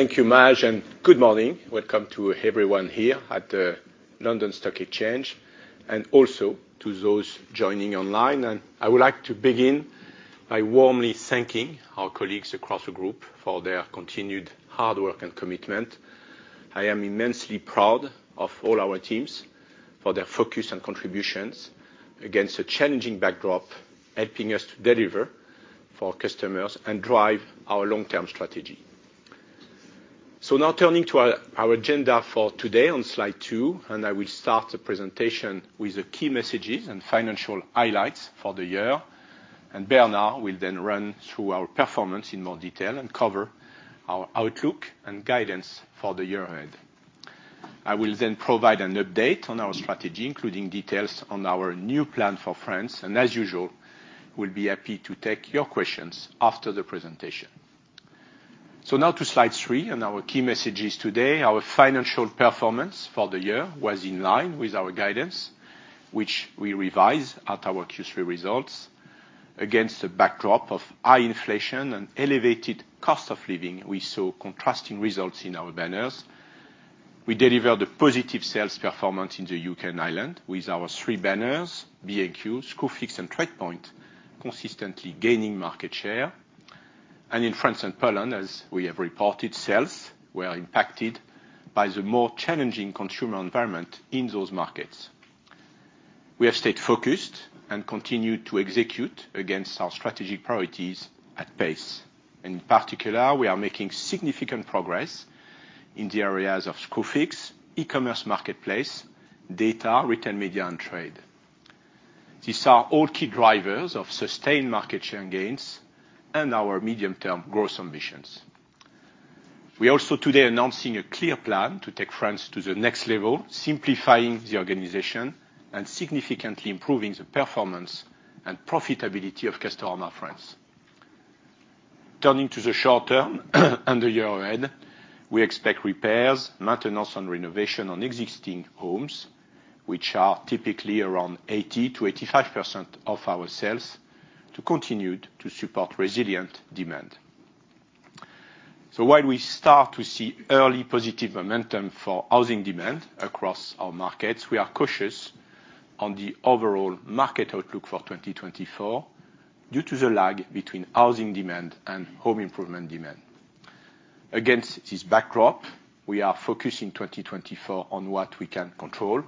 Thank you, Majid, and good morning. Welcome to everyone here at the London Stock Exchange, and also to those joining online. I would like to begin by warmly thanking our colleagues across the group for their continued hard work and commitment. I am immensely proud of all our teams for their focus and contributions against a challenging backdrop, helping us to deliver for customers and drive our long-term strategy. Now turning to our agenda for today on slide two, and I will start the presentation with the key messages and financial highlights for the year. Bernard will then run through our performance in more detail and cover our outlook and guidance for the year ahead. I will then provide an update on our strategy, including details on our new plan for France. As usual, we'll be happy to take your questions after the presentation. So now to slide three and our key messages today. Our financial performance for the year was in line with our guidance, which we revised at our Q3 results. Against a backdrop of high inflation and elevated cost of living, we saw contrasting results in our banners. We delivered a positive sales performance in the U.K. and Ireland with our three banners, B&Q, Screwfix, and TradePoint, consistently gaining market share. And in France and Poland, as we have reported, sales were impacted by the more challenging consumer environment in those markets. We have stayed focused and continued to execute against our strategic priorities at pace. And in particular, we are making significant progress in the areas of Screwfix, e-commerce marketplace, data, retail media, and trade. These are all key drivers of sustained market share gains and our medium-term growth ambitions. We are also today announcing a clear plan to take France to the next level, simplifying the organization and significantly improving the performance and profitability of Castorama, France. Turning to the short term and the year ahead, we expect repairs, maintenance, and renovation on existing homes, which are typically around 80%-85% of our sales, to continue to support resilient demand. So while we start to see early positive momentum for housing demand across our markets, we are cautious on the overall market outlook for 2024 due to the lag between housing demand and home improvement demand. Against this backdrop, we are focusing 2024 on what we can control.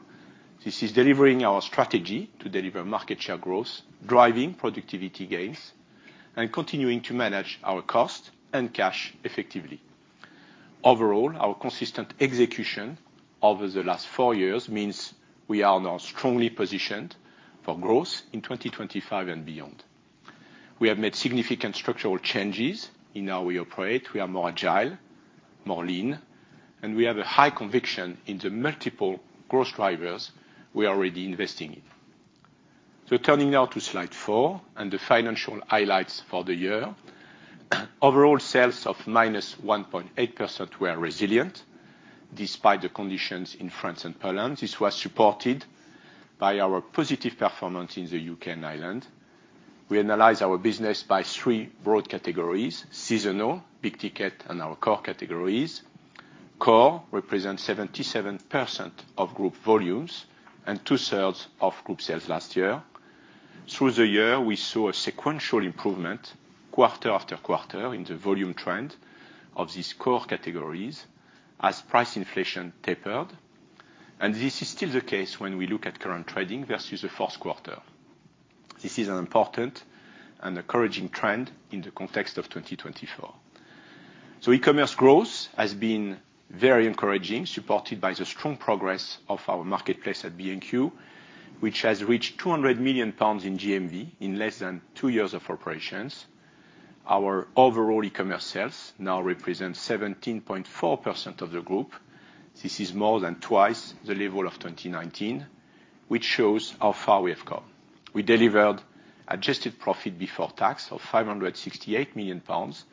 This is delivering our strategy to deliver market share growth, driving productivity gains, and continuing to manage our cost and cash effectively. Overall, our consistent execution over the last four years means we are now strongly positioned for growth in 2025 and beyond. We have made significant structural changes in how we operate. We are more agile, more lean, and we have a high conviction in the multiple growth drivers we are already investing in. So turning now to slide four and the financial highlights for the year. Overall sales of -1.8% were resilient despite the conditions in France and Poland. This was supported by our positive performance in the U.K. and Ireland. We analyze our business by three broad categories: seasonal, Big Ticket, and our Core Categories. Core represents 77% of group volumes and 2/3 of group sales last year. Through the year, we saw a sequential improvement quarter-after-quarter in the volume trend of these core categories as price inflation tapered. This is still the case when we look at current trading versus the fourth quarter. This is an important and encouraging trend in the context of 2024. E-commerce growth has been very encouraging, supported by the strong progress of our marketplace at B&Q, which has reached 200 million pounds in GMV in less than two years of operations. Our overall e-commerce sales now represent 17.4% of the group. This is more than twice the level of 2019, which shows how far we have come. We delivered adjusted profit before tax of 568 million pounds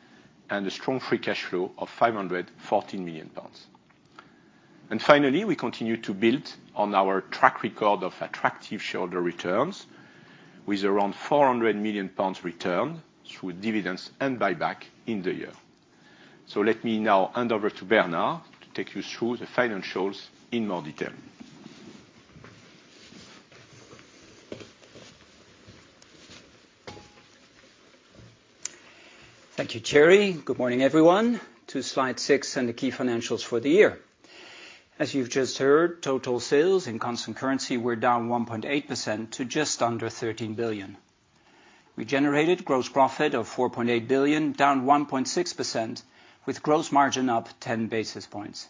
and a strong free cash flow of 514 million pounds. And finally, we continue to build on our track record of attractive shareholder returns with around 400 million pounds returned through dividends and buyback in the year. Let me now hand over to Bernard to take you through the financials in more detail. Thank you, Thierry. Good morning, everyone. To slide six and the key financials for the year. As you've just heard, total sales in constant currency were down 1.8% to just under 13 billion. We generated gross profit of 4.8 billion, down 1.6%, with gross margin up 10 basis points.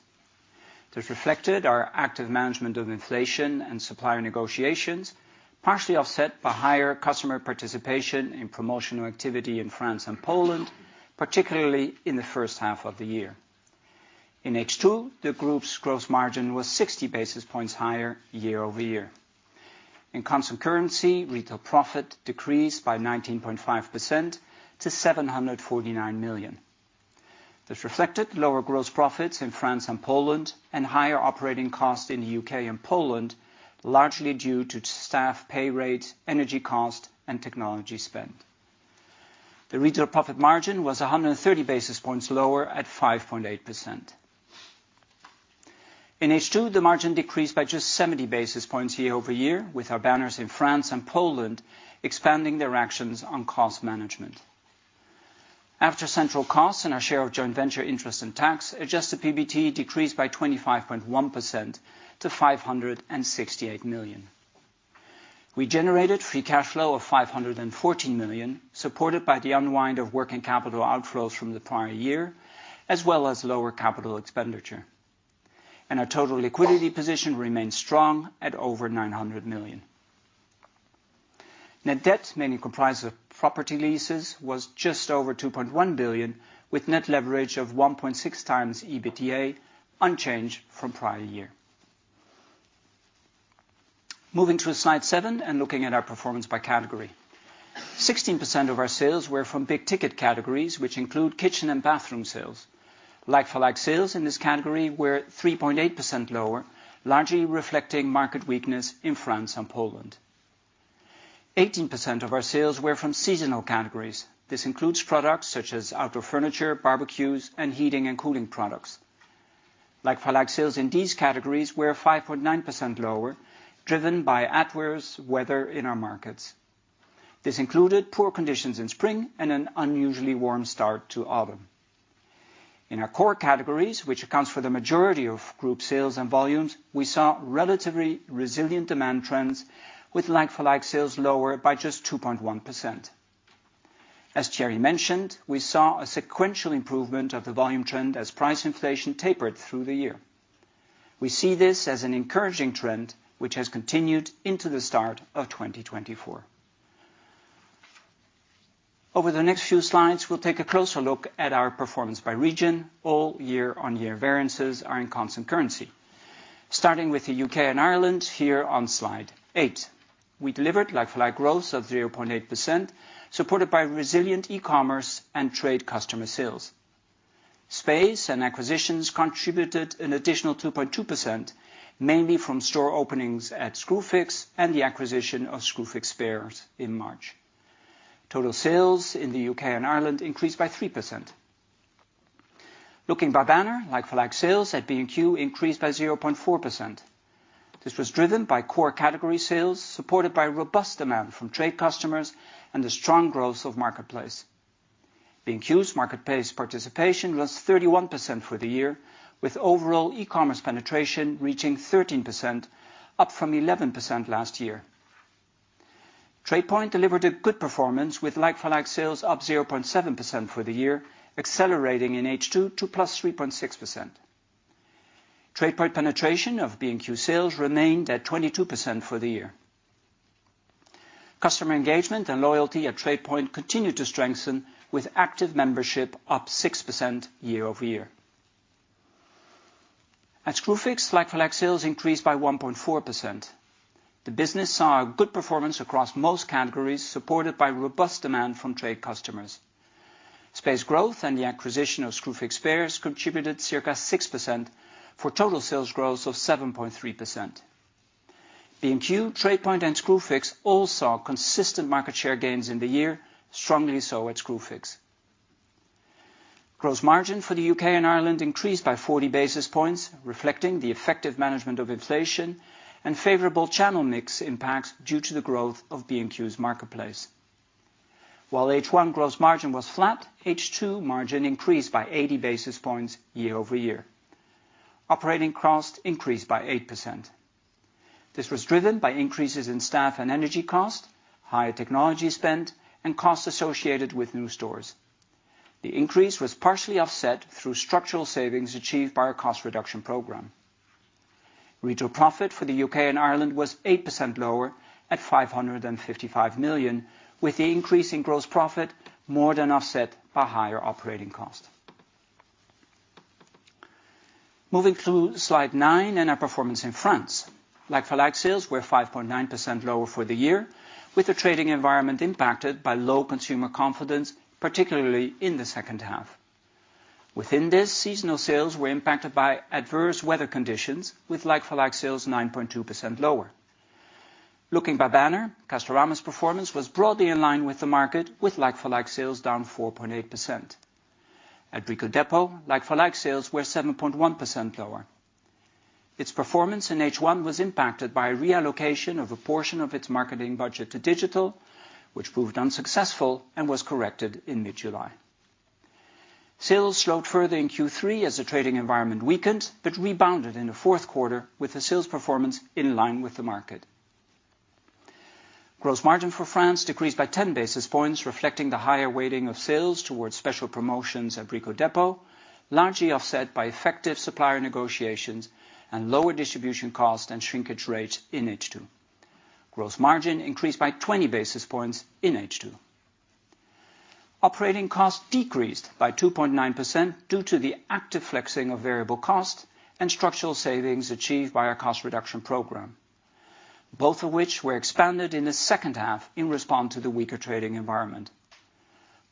This reflected our active management of inflation and supplier negotiations, partially offset by higher customer participation in promotional activity in France and Poland, particularly in the first half of the year. In H2, the group's gross margin was 60 basis points higher year-over-year. In constant currency, retail profit decreased by 19.5% to 749 million. This reflected lower gross profits in France and Poland and higher operating costs in the U.K. and Poland, largely due to staff pay rates, energy cost, and technology spend. The retail profit margin was 130 basis points lower at 5.8%. In H2, the margin decreased by just 70 basis points year over year, with our banners in France and Poland expanding their actions on cost management. After central costs and our share of joint venture interest and tax, adjusted PBT decreased by 25.1% to 568 million. We generated free cash flow of 514 million, supported by the unwind of working capital outflows from the prior year, as well as lower capital expenditure. Our total liquidity position remained strong at over 900 million. Net debt, mainly comprised of property leases, was just over 2.1 billion, with net leverage of 1.6x EBITDA, unchanged from prior year. Moving to slide seven and looking at our performance by category. 16% of our sales were from big ticket categories, which include kitchen and bathroom sales. Like-for-like sales in this category were 3.8% lower, largely reflecting market weakness in France and Poland. 18% of our sales were from seasonal categories. This includes products such as outdoor furniture, barbecues, and heating and cooling products. Like-for-like sales in these categories were 5.9% lower, driven by adverse weather in our markets. This included poor conditions in spring and an unusually warm start to autumn. In our core categories, which accounts for the majority of group sales and volumes, we saw relatively resilient demand trends, with like-for-like sales lower by just 2.1%. As Thierry mentioned, we saw a sequential improvement of the volume trend as price inflation tapered through the year. We see this as an encouraging trend, which has continued into the start of 2024. Over the next few slides, we'll take a closer look at our performance by region. All year-on-year variances are in constant currency, starting with the U.K. and Ireland here on slide eight. We delivered like-for-like growth of 0.8%, supported by resilient e-commerce and trade customer sales. Space and acquisitions contributed an additional 2.2%, mainly from store openings at Screwfix and the acquisition of Screwfix spares in March. Total sales in the U.K. and Ireland increased by 3%. Looking by banner, like-for-like sales at B&Q increased by 0.4%. This was driven by core category sales, supported by robust demand from trade customers and the strong growth of marketplace. B&Q's marketplace participation rose 31% for the year, with overall e-commerce penetration reaching 13%, up from 11% last year. TradePoint delivered a good performance, with like-for-like sales up 0.7% for the year, accelerating in H2 to plus 3.6%. TradePoint penetration of B&Q sales remained at 22% for the year. Customer engagement and loyalty at TradePoint continued to strengthen, with active membership up 6% year-over-year. At Screwfix, like-for-like sales increased by 1.4%. The business saw good performance across most categories, supported by robust demand from trade customers. Space growth and the acquisition of Screwfix Spares contributed circa 6% for total sales growth of 7.3%. B&Q, TradePoint, and Screwfix all saw consistent market share gains in the year, strongly so at Screwfix. Gross margin for the U.K. and Ireland increased by 40 basis points, reflecting the effective management of inflation and favorable channel mix impacts due to the growth of B&Q's marketplace. While H1 gross margin was flat, H2 margin increased by 80 basis points year over year. Operating cost increased by 8%. This was driven by increases in staff and energy cost, higher technology spend, and costs associated with new stores. The increase was partially offset through structural savings achieved by our cost reduction program. Retail profit for the U.K. and Ireland was 8% lower at 555 million, with the increase in gross profit more than offset by higher operating cost. Moving through slide nine and our performance in France. Like-for-like sales were 5.9% lower for the year, with the trading environment impacted by low consumer confidence, particularly in the second half. Within this, seasonal sales were impacted by adverse weather conditions, with like-for-like sales 9.2% lower. Looking by banner, Castorama's performance was broadly in line with the market, with like-for-like sales down 4.8%. At Brico Dépôt, like-for-like sales were 7.1% lower. Its performance in H1 was impacted by reallocation of a portion of its marketing budget to digital, which proved unsuccessful and was corrected in mid-July. Sales slowed further in Q3 as the trading environment weakened but rebounded in the fourth quarter, with the sales performance in line with the market. Gross margin for France decreased by 10 basis points, reflecting the higher weighting of sales towards special promotions at Brico Dépôt, largely offset by effective supplier negotiations and lower distribution cost and shrinkage rates in H2. Gross margin increased by 20 basis points in H2. Operating cost decreased by 2.9% due to the active flexing of variable cost and structural savings achieved by our cost reduction program, both of which were expanded in the second half in response to the weaker trading environment.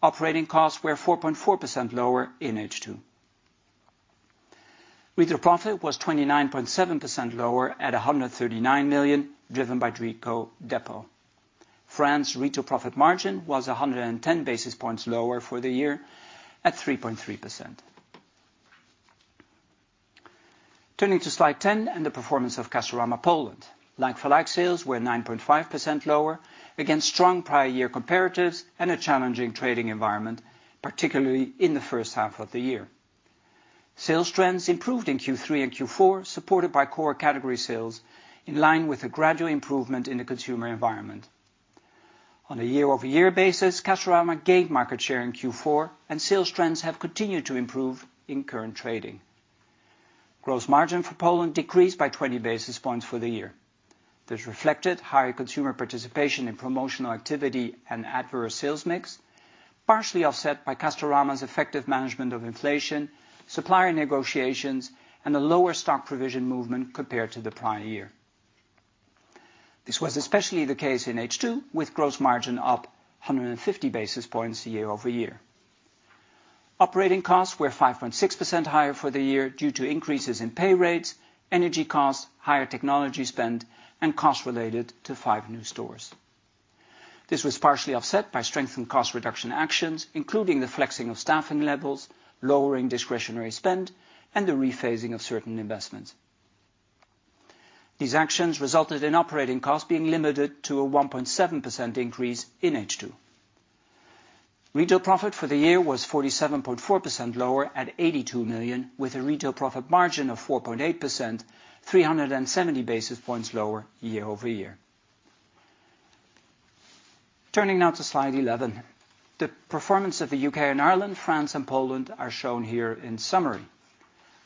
Operating costs were 4.4% lower in H2. Retail profit was 29.7% lower at 139 million, driven by Brico Dépôt. France's retail profit margin was 110 basis points lower for the year at 3.3%. Turning to slide 10 and the performance of Castorama, Poland. Like-for-like sales were 9.5% lower against strong prior-year comparatives and a challenging trading environment, particularly in the first half of the year. Sales trends improved in Q3 and Q4, supported by core category sales in line with a gradual improvement in the consumer environment. On a year-over-year basis, Castorama gained market share in Q4, and sales trends have continued to improve in current trading. Gross margin for Poland decreased by 20 basis points for the year. This reflected higher consumer participation in promotional activity and adverse sales mix, partially offset by Castorama's effective management of inflation, supplier negotiations, and a lower stock provision movement compared to the prior year. This was especially the case in H2, with gross margin up 150 basis points year-over-year. Operating costs were 5.6% higher for the year due to increases in pay rates, energy cost, higher technology spend, and costs related to five new stores. This was partially offset by strengthened cost reduction actions, including the flexing of staffing levels, lowering discretionary spend, and the rephasing of certain investments. These actions resulted in operating costs being limited to a 1.7% increase in H2. Retail profit for the year was 47.4% lower at 82 million, with a retail profit margin of 4.8%, 370 basis points lower year-over-year. Turning now to slide 11. The performance of the U.K. and Ireland, France, and Poland are shown here in summary.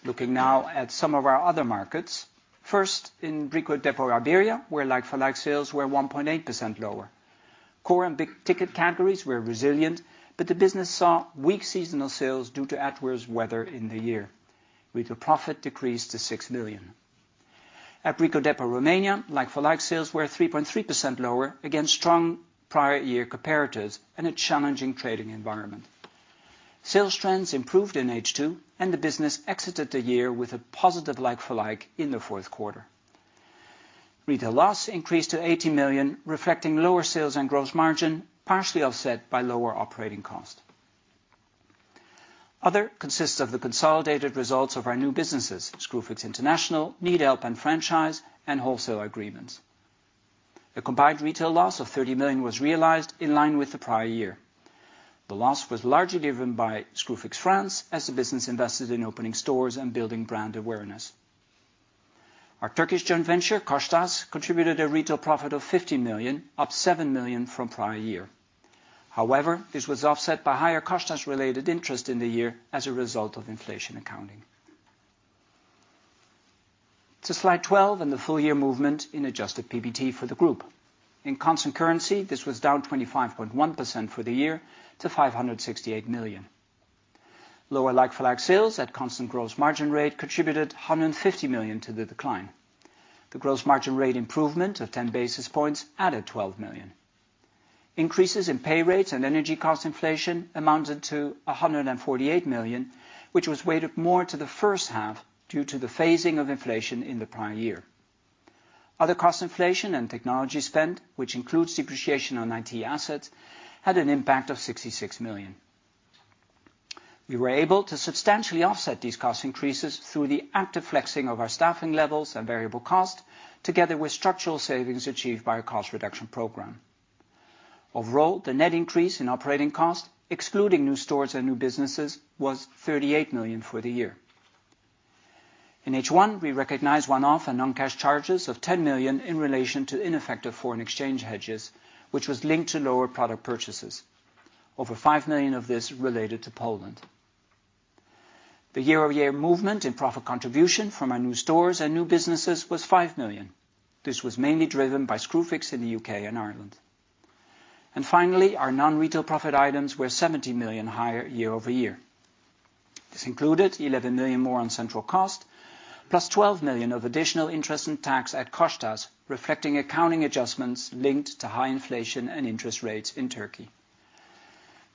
Looking now at some of our other markets. First, in Brico Dépôt Iberia, where like-for-like sales were 1.8% lower. Core and big ticket categories were resilient, but the business saw weak seasonal sales due to adverse weather in the year. Retail profit decreased to 6 million. At Brico Dépôt Romania, like-for-like sales were 3.3% lower against strong prior-year comparatives and a challenging trading environment. Sales trends improved in H2, and the business exited the year with a positive like-for-like in the fourth quarter. Retail loss increased to 80 million, reflecting lower sales and gross margin, partially offset by lower operating cost. Other consists of the consolidated results of our new businesses, Screwfix International, NeedHelp and franchise, and wholesale agreements. A combined retail loss of 30 million was realized in line with the prior year. The loss was largely driven by Screwfix France, as the business invested in opening stores and building brand awareness. Our Turkish joint venture, Koçtaş, contributed a retail profit of 50 million, up 7 million from prior year. However, this was offset by higher Koçtaş-related interest in the year as a result of inflation accounting. To slide 12 and the full-year movement in adjusted PBT for the group. In constant currency, this was down 25.1% for the year to 568 million. Lower like-for-like sales at constant gross margin rate contributed 150 million to the decline. The gross margin rate improvement of 10 basis points added 12 million. Increases in pay rates and energy cost inflation amounted to 148 million, which was weighted more to the first half due to the phasing of inflation in the prior year. Other cost inflation and technology spend, which includes depreciation on IT assets, had an impact of 66 million. We were able to substantially offset these cost increases through the active flexing of our staffing levels and variable cost, together with structural savings achieved by our cost reduction program. Overall, the net increase in operating cost, excluding new stores and new businesses, was 38 million for the year. In H1, we recognized one-off and non-cash charges of 10 million in relation to ineffective foreign exchange hedges, which was linked to lower product purchases. Over 5 million of this related to Poland. The year-over-year movement in profit contribution from our new stores and new businesses was 5 million. This was mainly driven by Screwfix in the U.K. and Ireland. Finally, our non-retail profit items were 70 million higher year-over-year. This included 11 million more on central cost, plus 12 million of additional interest and tax at Koçtaş, reflecting accounting adjustments linked to high inflation and interest rates in Turkey.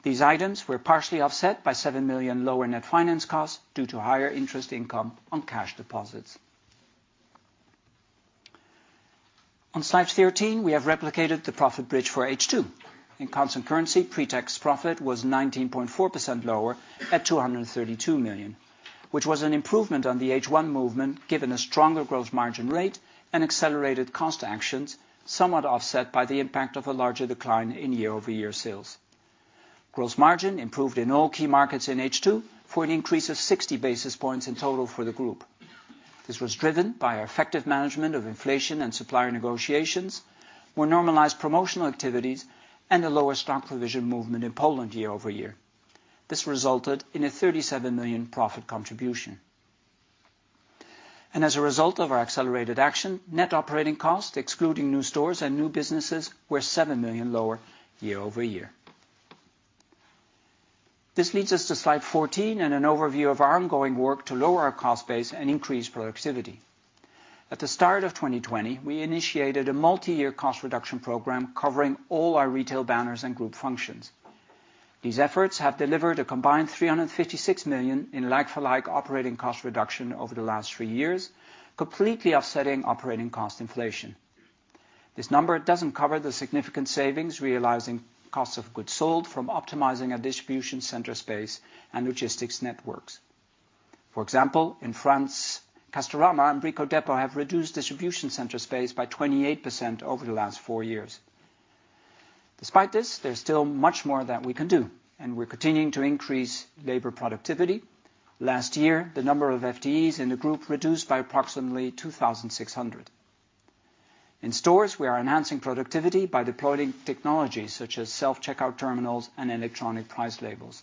These items were partially offset by 7 million lower net finance cost due to higher interest income on cash deposits. On slide 13, we have replicated the profit bridge for H2. In constant currency, pretax profit was 19.4% lower at 232 million, which was an improvement on the H1 movement given a stronger gross margin rate and accelerated cost actions, somewhat offset by the impact of a larger decline in year-over-year sales. Gross margin improved in all key markets in H2 for an increase of 60 basis points in total for the group. This was driven by our effective management of inflation and supplier negotiations, more normalized promotional activities, and a lower stock provision movement in Poland year-over-year. This resulted in a 37 million profit contribution. As a result of our accelerated action, net operating cost, excluding new stores and new businesses, were 7 million lower year-over-year. This leads us to slide 14 and an overview of our ongoing work to lower our cost base and increase productivity. At the start of 2020, we initiated a multi-year cost reduction program covering all our retail banners and group functions. These efforts have delivered a combined 356 million in like-for-like operating cost reduction over the last three years, completely offsetting operating cost inflation. This number doesn't cover the significant savings realizing cost of goods sold from optimizing our distribution center space and logistics networks. For example, in France, Castorama and Brico Dépôt have reduced distribution center space by 28% over the last four years. Despite this, there's still much more that we can do, and we're continuing to increase labor productivity. Last year, the number of FTEs in the group reduced by approximately 2,600. In stores, we are enhancing productivity by deploying technology such as self-checkout terminals and electronic price labels.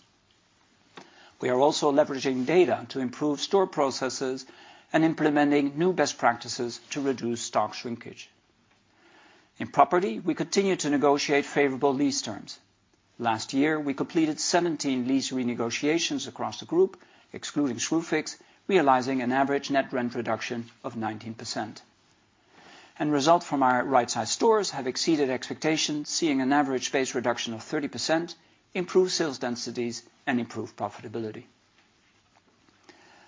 We are also leveraging data to improve store processes and implementing new best practices to reduce stock shrinkage. In property, we continue to negotiate favorable lease terms. Last year, we completed 17 lease renegotiations across the group, excluding Screwfix, realizing an average net rent reduction of 19%. Results from our right-sized stores have exceeded expectations, seeing an average base reduction of 30%, improved sales densities, and improved profitability.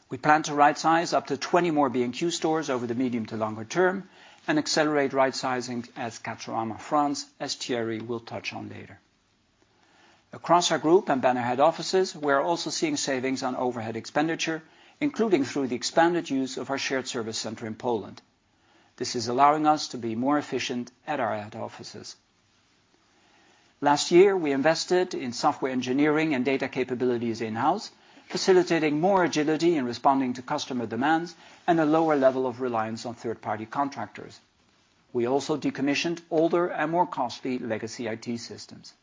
We plan to right-size up to 20 more B&Q stores over the medium to longer term and accelerate right-sizing at Castorama France, as Thierry will touch on later. Across our group and banner head offices, we are also seeing savings on overhead expenditure, including through the expanded use of our shared service center in Poland. This is allowing us to be more efficient at our head offices. Last year, we invested in software engineering and data capabilities in-house, facilitating more agility in responding to customer demands and a lower level of reliance on third-party contractors. We also decommissioned older and more costly legacy IT systems.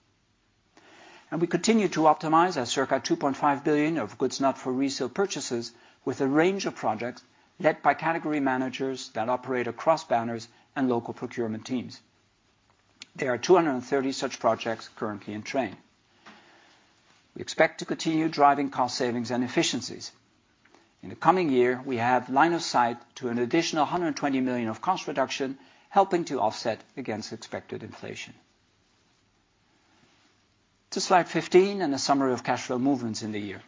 We continue to optimize our circa 2.5 billion of goods not for resale purchases with a range of projects led by category managers that operate across banners and local procurement teams. There are 230 such projects currently in train. We expect to continue driving cost savings and efficiencies. In the coming year, we have line of sight to an additional 120 million of cost reduction, helping to offset against expected inflation. To slide 15 and a summary of cash flow movements in the year.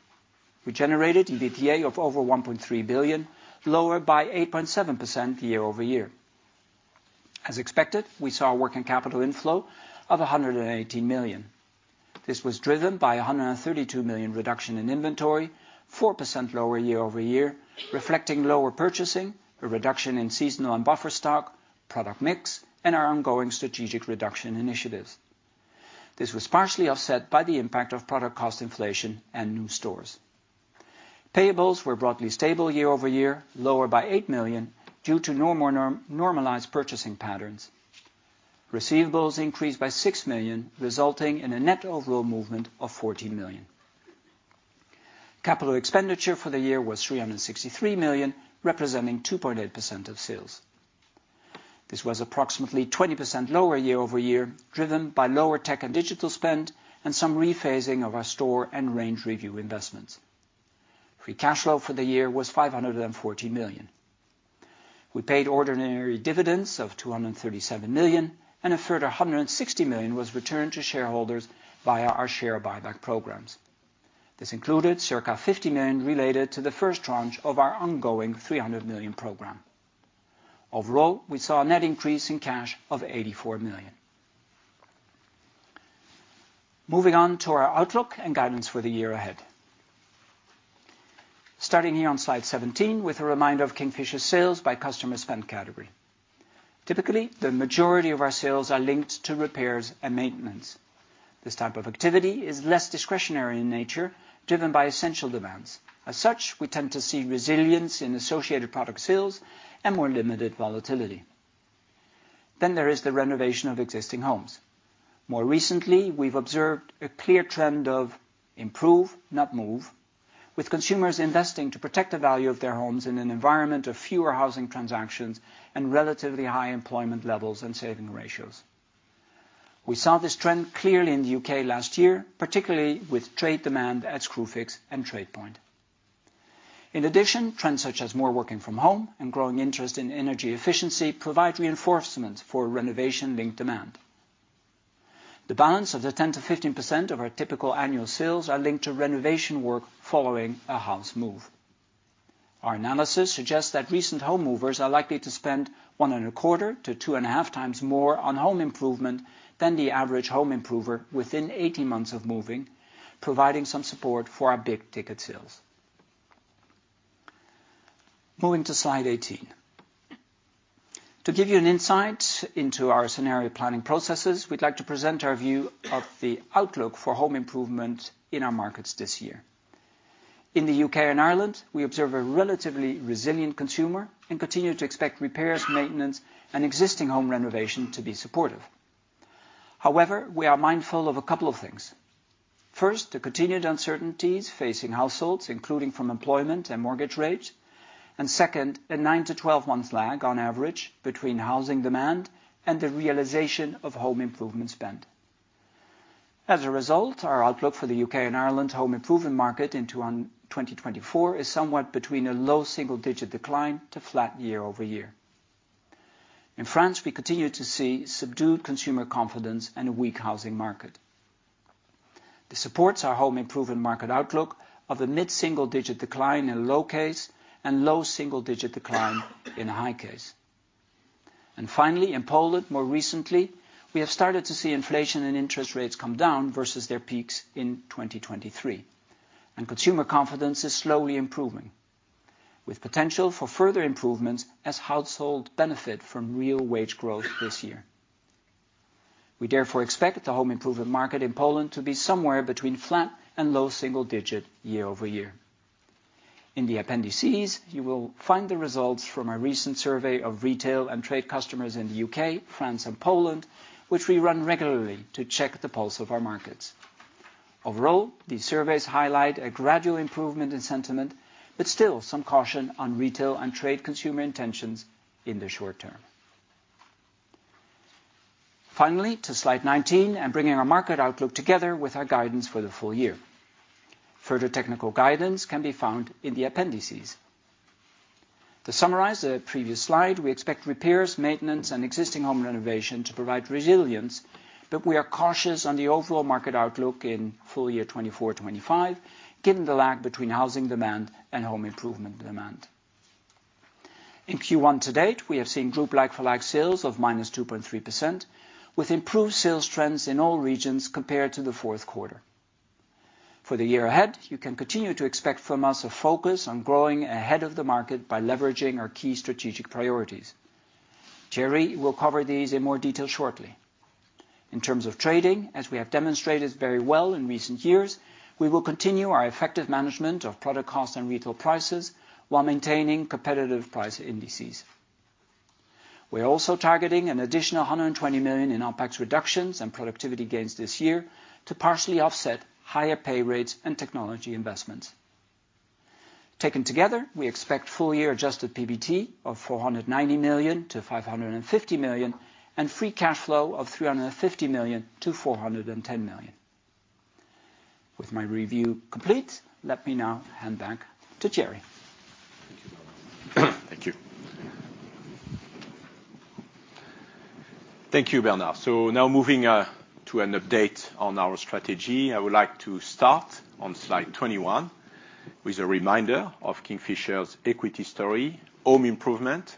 We generated EBITDA of over 1.3 billion, lower by 8.7% year-over-year. As expected, we saw a working capital inflow of 118 million. This was driven by a 132 million reduction in inventory, 4% lower year-over-year, reflecting lower purchasing, a reduction in seasonal and buffer stock, product mix, and our ongoing strategic reduction initiatives. This was partially offset by the impact of product cost inflation and new stores. Payables were broadly stable year-over-year, lower by 8 million due to more normalized purchasing patterns. Receivables increased by 6 million, resulting in a net overall movement of 14 million. Capital expenditure for the year was 363 million, representing 2.8% of sales. This was approximately 20% lower year-over-year, driven by lower tech and digital spend and some rephasing of our store and range review investments. Free cash flow for the year was 540 million. We paid ordinary dividends of 237 million, and a further 160 million was returned to shareholders via our share buyback programs. This included circa 50 million related to the first tranche of our ongoing 300 million program. Overall, we saw a net increase in cash of 84 million. Moving on to our outlook and guidance for the year ahead. Starting here on slide 17 with a reminder of Kingfisher sales by customer spend category. Typically, the majority of our sales are linked to repairs and maintenance. This type of activity is less discretionary in nature, driven by essential demands. As such, we tend to see resilience in associated product sales and more limited volatility. Then there is the renovation of existing homes. More recently, we've observed a clear trend of improve, not move, with consumers investing to protect the value of their homes in an environment of fewer housing transactions and relatively high employment levels and saving ratios. We saw this trend clearly in the U.K. last year, particularly with trade demand at Screwfix and TradePoint. In addition, trends such as more working from home and growing interest in energy efficiency provide reinforcements for renovation-linked demand. The balance of the 10%-15% of our typical annual sales are linked to renovation work following a house move. Our analysis suggests that recent home movers are likely to spend 1.25 to 2.5x more on home improvement than the average home improver within 18 months of moving, providing some support for our Big Ticket sales. Moving to slide 18. To give you an insight into our scenario planning processes, we'd like to present our view of the outlook for home improvement in our markets this year. In the U.K. and Ireland, we observe a relatively resilient consumer and continue to expect repairs, maintenance, and existing home renovation to be supportive. However, we are mindful of a couple of things. First, the continued uncertainties facing households, including from employment and mortgage rates, and second, a 9months to 12 months lag, on average, between housing demand and the realization of home improvement spend. As a result, our outlook for the U.K. and Ireland home improvement market into 2024 is somewhat between a low single-digit decline to flat year-over-year. In France, we continue to see subdued consumer confidence and a weak housing market. This supports our home improvement market outlook of a mid-single-digit decline in low case and low single-digit decline in high case. Finally, in Poland, more recently, we have started to see inflation and interest rates come down versus their peaks in 2023, and consumer confidence is slowly improving, with potential for further improvements as households benefit from real wage growth this year. We therefore expect the home improvement market in Poland to be somewhere between flat and low single-digit year-over-year. In the appendices, you will find the results from our recent survey of retail and trade customers in the U.K., France, and Poland, which we run regularly to check the pulse of our markets. Overall, these surveys highlight a gradual improvement in sentiment, but still some caution on retail and trade consumer intentions in the short term. Finally, to slide 19, and bringing our market outlook together with our guidance for the full year. Further technical guidance can be found in the appendices. To summarize the previous slide, we expect repairs, maintenance, and existing home renovation to provide resilience, but we are cautious on the overall market outlook in full year 2024/2025, given the lag between housing demand and home improvement demand. In Q1 to date, we have seen group like-for-like sales of -2.3%, with improved sales trends in all regions compared to the fourth quarter. For the year ahead, you can continue to expect from us a focus on growing ahead of the market by leveraging our key strategic priorities. Thierry will cover these in more detail shortly. In terms of trading, as we have demonstrated very well in recent years, we will continue our effective management of product cost and retail prices while maintaining competitive price indices. We are also targeting an additional 120 million in OPEX reductions and productivity gains this year to partially offset higher pay rates and technology investments. Taken together, we expect full year adjusted PBT of 490 million-550 million and free cash flow of 350 million-410 million. With my review complete, let me now hand back to Thierry. Thank you, Bernard. Thank you. Thank you, Bernard. So now moving to an update on our strategy, I would like to start on slide 21 with a reminder of Kingfisher's equity story. Home improvement,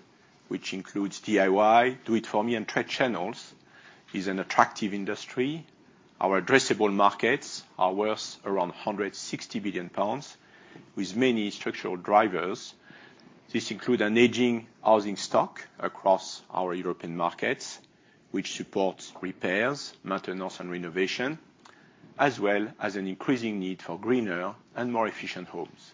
which includes DIY, do it for me, and trade channels, is an attractive industry. Our addressable markets are worth around 160 billion pounds, with many structural drivers. This includes an aging housing stock across our European markets, which supports repairs, maintenance, and renovation, as well as an increasing need for greener and more efficient homes.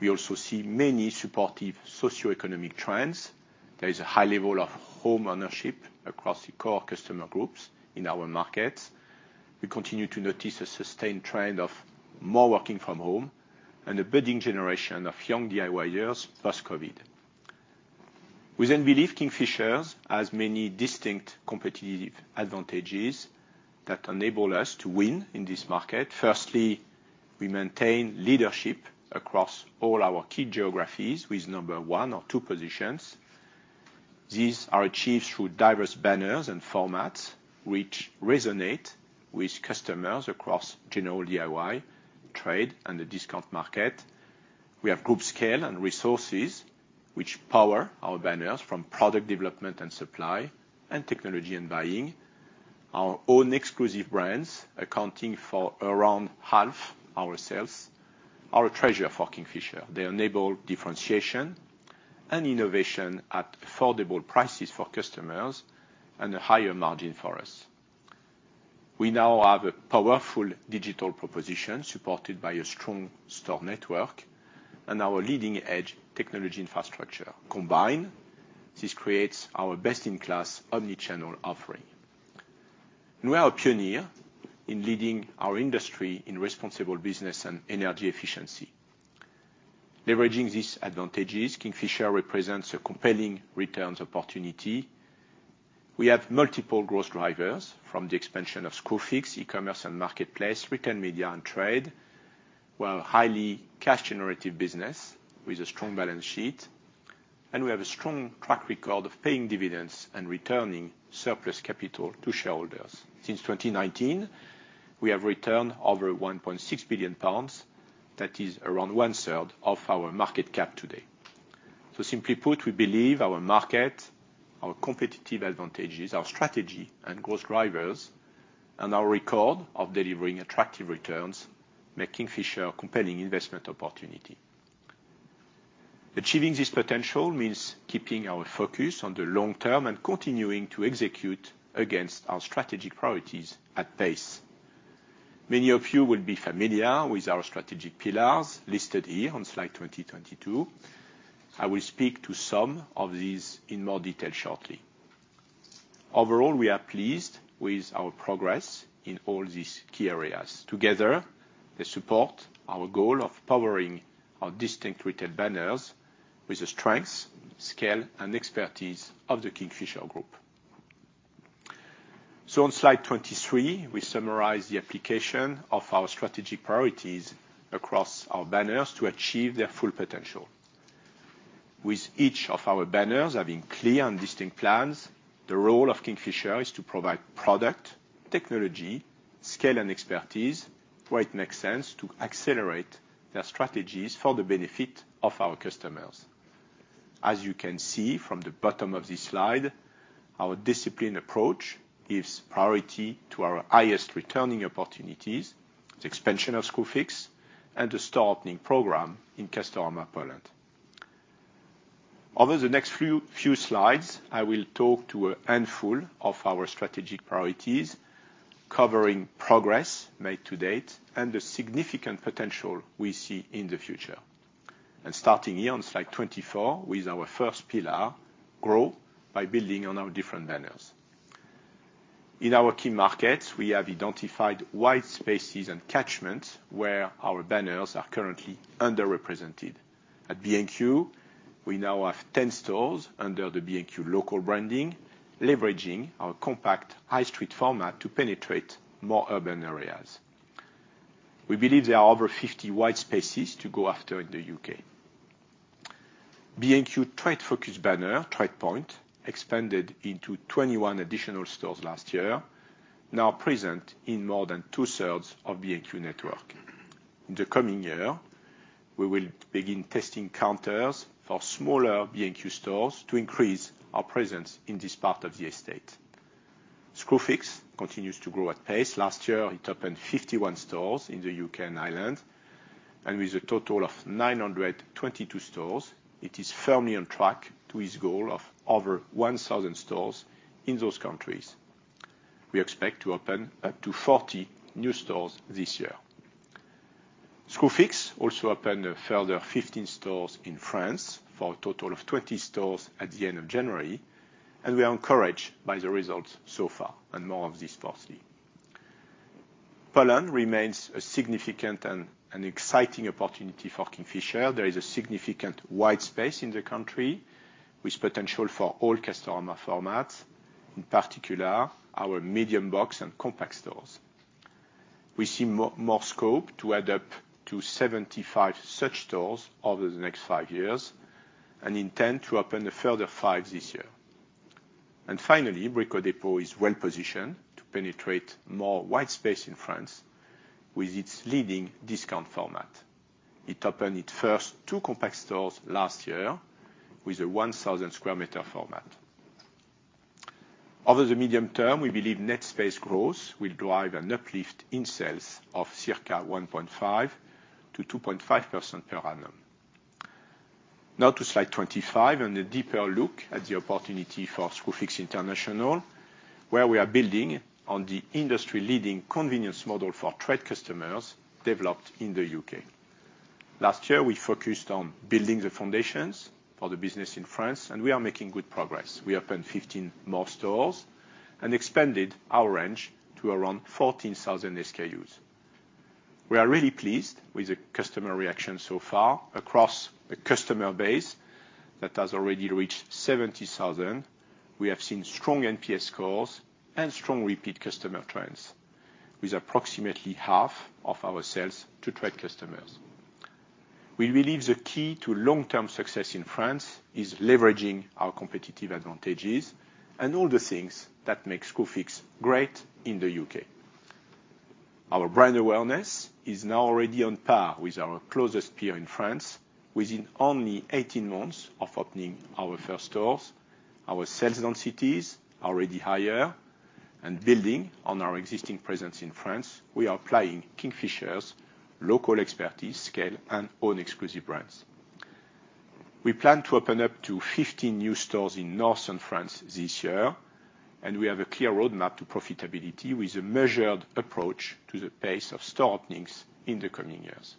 We also see many supportive socioeconomic trends. There is a high level of home ownership across the core customer groups in our markets. We continue to notice a sustained trend of more working from home and a budding generation of young DIYers post-COVID. We then believe Kingfisher has many distinct competitive advantages that enable us to win in this market. Firstly, we maintain leadership across all our key geographies with number one or two positions. These are achieved through diverse banners and formats, which resonate with customers across general DIY, trade, and the discount market. We have group scale and resources, which power our banners from product development and supply and technology and buying. Our own exclusive brands, accounting for around half our sales, are a treasure for Kingfisher. They enable differentiation and innovation at affordable prices for customers and a higher margin for us. We now have a powerful digital proposition supported by a strong store network and our leading-edge technology infrastructure. Combined, this creates our best-in-class omnichannel offering. We are a pioneer in leading our industry in responsible business and energy efficiency. Leveraging these advantages, Kingfisher represents a compelling returns opportunity. We have multiple growth drivers from the expansion of Screwfix, e-commerce, and marketplace, retail media, and trade. We have a highly cash-generative business with a strong balance sheet. We have a strong track record of paying dividends and returning surplus capital to shareholders. Since 2019, we have returned over 1.6 billion pounds. That is around 1/3 of our market cap today. Simply put, we believe our market, our competitive advantages, our strategy and growth drivers, and our record of delivering attractive returns make Kingfisher a compelling investment opportunity. Achieving this potential means keeping our focus on the long term and continuing to execute against our strategic priorities at pace. Many of you will be familiar with our strategic pillars listed here on Slide 22. I will speak to some of these in more detail shortly. Overall, we are pleased with our progress in all these key areas. Together, they support our goal of powering our distinct retail banners with the strengths, scale, and expertise of the Kingfisher group. So on Slide 23, we summarize the application of our strategic priorities across our banners to achieve their full potential. With each of our banners having clear and distinct plans, the role of Kingfisher is to provide product, technology, scale, and expertise where it makes sense to accelerate their strategies for the benefit of our customers. As you can see from the bottom of this slide, our disciplined approach gives priority to our highest returning opportunities, the expansion of Screwfix, and the store opening program in Castorama, Poland. Over the next few slides, I will talk to a handful of our strategic priorities, covering progress made to date and the significant potential we see in the future. Starting here on slide 24 with our first pillar, grow by building on our different banners. In our key markets, we have identified white spaces and catchments where our banners are currently underrepresented. At B&Q, we now have 10 stores under the B&Q Local branding, leveraging our compact high street format to penetrate more urban areas. We believe there are over 50 white spaces to go after in the U.K.. B&Q trade-focused banner, TradePoint, expanded into 21 additional stores last year, now present in more than two-thirds of B&Q network. In the coming year, we will begin testing counters for smaller B&Q stores to increase our presence in this part of the estate. Screwfix continues to grow at pace. Last year, it opened 51 stores in the U.K. and Ireland. With a total of 922 stores, it is firmly on track to its goal of over 1,000 stores in those countries. We expect to open up to 40 new stores this year. Screwfix also opened further 15 stores in France for a total of 20 stores at the end of January. We are encouraged by the results so far, and more of this forthcoming. Poland remains a significant and exciting opportunity for Kingfisher. There is a significant white space in the country with potential for all Castorama formats, in particular our medium box and compact stores. We see more scope to add up to 75 such stores over the next five years and intend to open further five this year. And finally, Brico Dépôt is well positioned to penetrate more white space in France with its leading discount format. It opened its first two compact stores last year with a 1,000 sq m format. Over the medium term, we believe net space growth will drive an uplift in sales of circa 1.5-2.5 per annum. Now to slide 25 and a deeper look at the opportunity for Screwfix International, where we are building on the industry-leading convenience model for trade customers developed in the U.K.. Last year, we focused on building the foundations for the business in France, and we are making good progress. We opened 15 more stores and expanded our range to around 14,000 SKUs. We are really pleased with the customer reaction so far across a customer base that has already reached 70,000. We have seen strong NPS scores and strong repeat customer trends with approximately half of our sales to trade customers. We believe the key to long-term success in France is leveraging our competitive advantages and all the things that make Screwfix great in the U.K.. Our brand awareness is now already on par with our closest peer in France within only 18 months of opening our first stores. Our sales densities are already higher. Building on our existing presence in France, we are applying Kingfisher's local expertise, scale, and own exclusive brands. We plan to open up to 15 new stores in northern France this year. We have a clear roadmap to profitability with a measured approach to the pace of store openings in the coming years.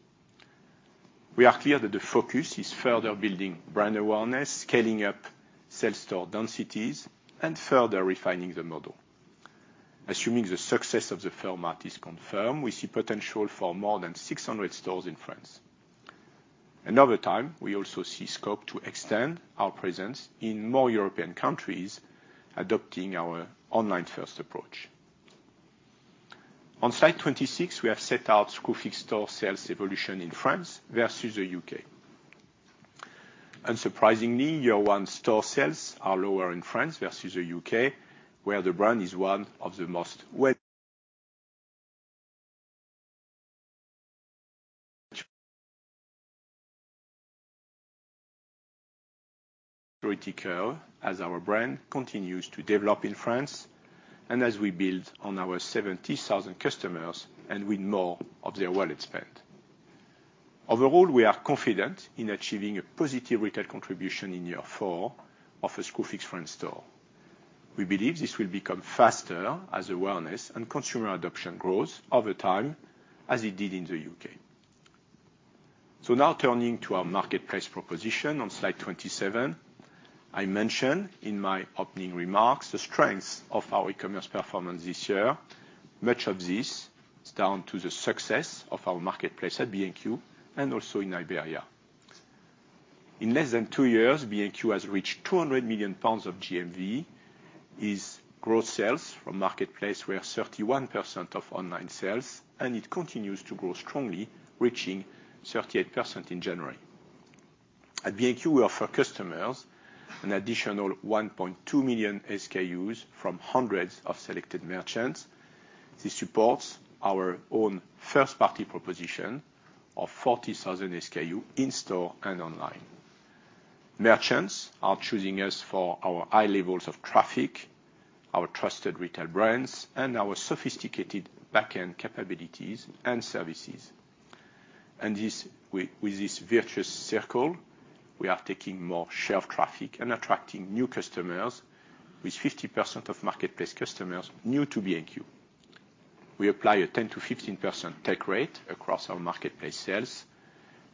We are clear that the focus is further building brand awareness, scaling up sales store densities, and further refining the model. Assuming the success of the format is confirmed, we see potential for more than 600 stores in France. Over time, we also see scope to extend our presence in more European countries adopting our online-first approach. On slide 26, we have set out Screwfix store sales evolution in France versus the U.K.. Unsurprisingly, year one store sales are lower in France versus the U.K., where the brand is one of the most well-established. The learning curve, as our brand continues to develop in France and as we build on our 70,000 customers and win more of their wallet spend. Overall, we are confident in achieving a positive retail contribution in year four of a Screwfix France store. We believe this will become faster as awareness and consumer adoption grows over time as it did in the U.K.. So now turning to our marketplace proposition on slide 27, I mentioned in my opening remarks the strengths of our e-commerce performance this year. Much of this is down to the success of our marketplace at B&Q and also in Iberia. In less than two years, B&Q has reached 200 million pounds of GMV. Its growth sales from marketplace were 31% of online sales. And it continues to grow strongly, reaching 38% in January. At B&Q, we offer customers an additional 1.2 million SKUs from hundreds of selected merchants. This supports our own first-party proposition of 40,000 SKUs in store and online. Merchants are choosing us for our high levels of traffic, our trusted retail brands, and our sophisticated backend capabilities and services. And with this virtuous circle, we are taking more shelf traffic and attracting new customers, with 50% of marketplace customers new to B&Q. We apply a 10%-15% take rate across our marketplace sales.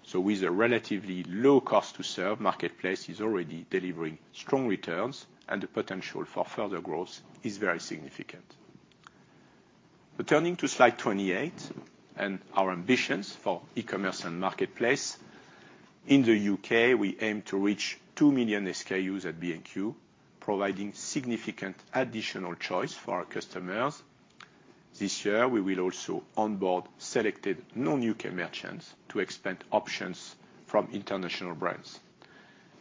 So with a relatively low cost-to-serve marketplace, it's already delivering strong returns. And the potential for further growth is very significant. But turning to slide 28 and our ambitions for e-commerce and marketplace, in the U.K., we aim to reach 2 million SKUs at B&Q, providing significant additional choice for our customers. This year, we will also onboard selected non-U.K. merchants to expand options from international brands.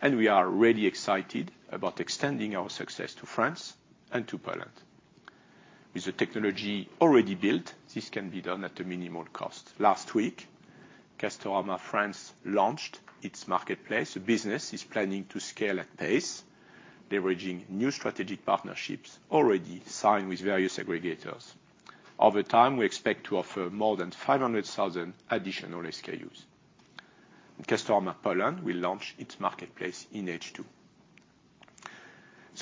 We are really excited about extending our success to France and to Poland. With the technology already built, this can be done at a minimal cost. Last week, Castorama France launched its marketplace. The business is planning to scale at pace, leveraging new strategic partnerships already signed with various aggregators. Over time, we expect to offer more than 500,000 additional SKUs. Castorama Poland will launch its marketplace in H2.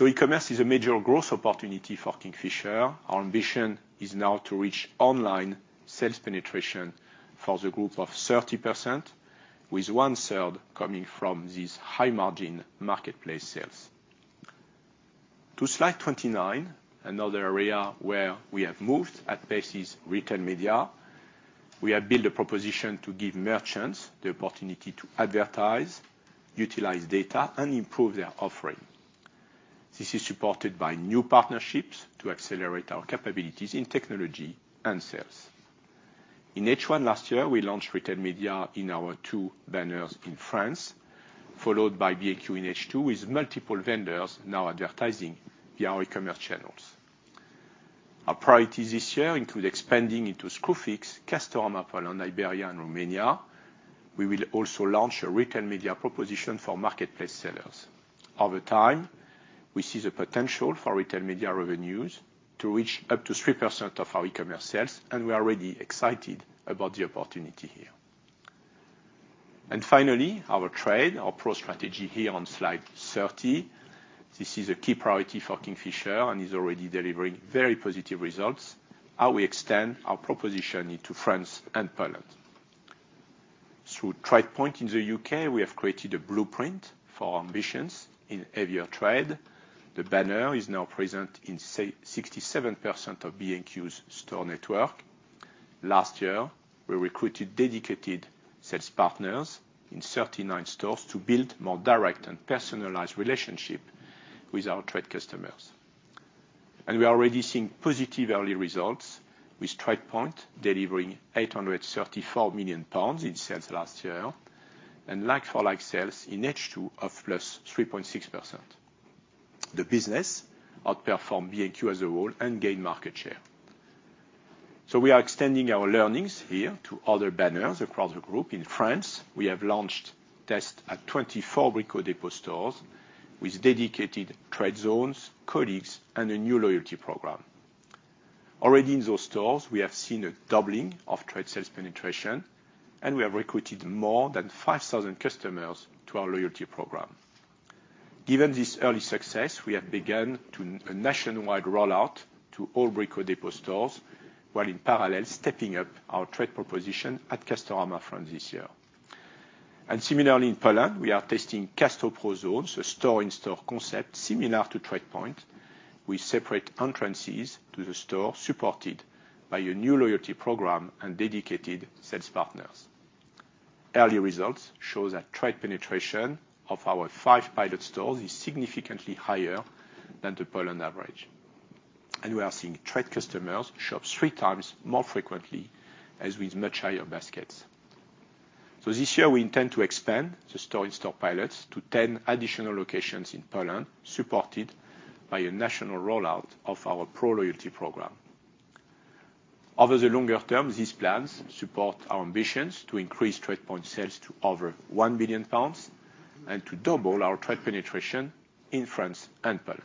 E-commerce is a major growth opportunity for Kingfisher. Our ambition is now to reach online sales penetration for the group of 30%, with 1/3 coming from these high-margin marketplace sales. To slide 29, another area where we have moved at pace is retail media. We have built a proposition to give merchants the opportunity to advertise, utilize data, and improve their offering. This is supported by new partnerships to accelerate our capabilities in technology and sales. In H1 last year, we launched retail media in our two banners in France, followed by B&Q in H2 with multiple vendors now advertising via our e-commerce channels. Our priorities this year include expanding into Screwfix, Castorama, Poland, Iberia, and Romania. We will also launch a retail media proposition for marketplace sellers. Over time, we see the potential for retail media revenues to reach up to 3% of our e-commerce sales. We are really excited about the opportunity here. Finally, our trade, our pro strategy here on slide 30, this is a key priority for Kingfisher and is already delivering very positive results. How we extend our proposition into France and Poland. Through TradePoint in the U.K., we have created a blueprint for ambitions in heavier trade. The banner is now present in 67% of B&Q's store network. Last year, we recruited dedicated sales partners in 39 stores to build more direct and personalized relationships with our trade customers. We are already seeing positive early results with TradePoint delivering 834 million pounds in sales last year and like-for-like sales in H2 of +3.6%. The business outperformed B&Q as a whole and gained market share. We are extending our learnings here to other banners across the group. In France, we have launched tests at 24 Brico Dépôt stores with dedicated trade zones, colleagues, and a new loyalty program. Already in those stores, we have seen a doubling of trade sales penetration. We have recruited more than 5,000 customers to our loyalty program. Given this early success, we have begun a nationwide rollout to all Brico Dépôt stores while in parallel stepping up our trade proposition at Castorama, France, this year. Similarly, in Poland, we are testing CastoPro zones, a store-in-store concept similar to TradePoint, with separate entrances to the store supported by a new loyalty program and dedicated sales partners. Early results show that trade penetration of our five pilot stores is significantly higher than the Poland average. We are seeing trade customers shop three times more frequently as with much higher baskets. This year, we intend to expand the store-in-store pilots to 10 additional locations in Poland supported by a national rollout of our pro loyalty program. Over the longer term, these plans support our ambitions to increase TradePoint sales to over 1 billion pounds and to double our trade penetration in France and Poland.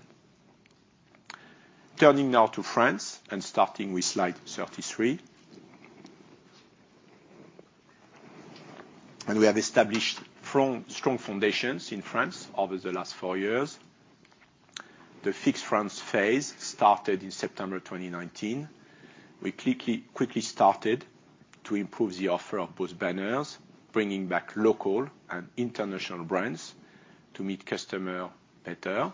Turning now to France and starting with slide 33. We have established strong foundations in France over the last four years. The Fix France phase started in September 2019. We quickly started to improve the offer of both banners, bringing back local and international brands to meet customers better.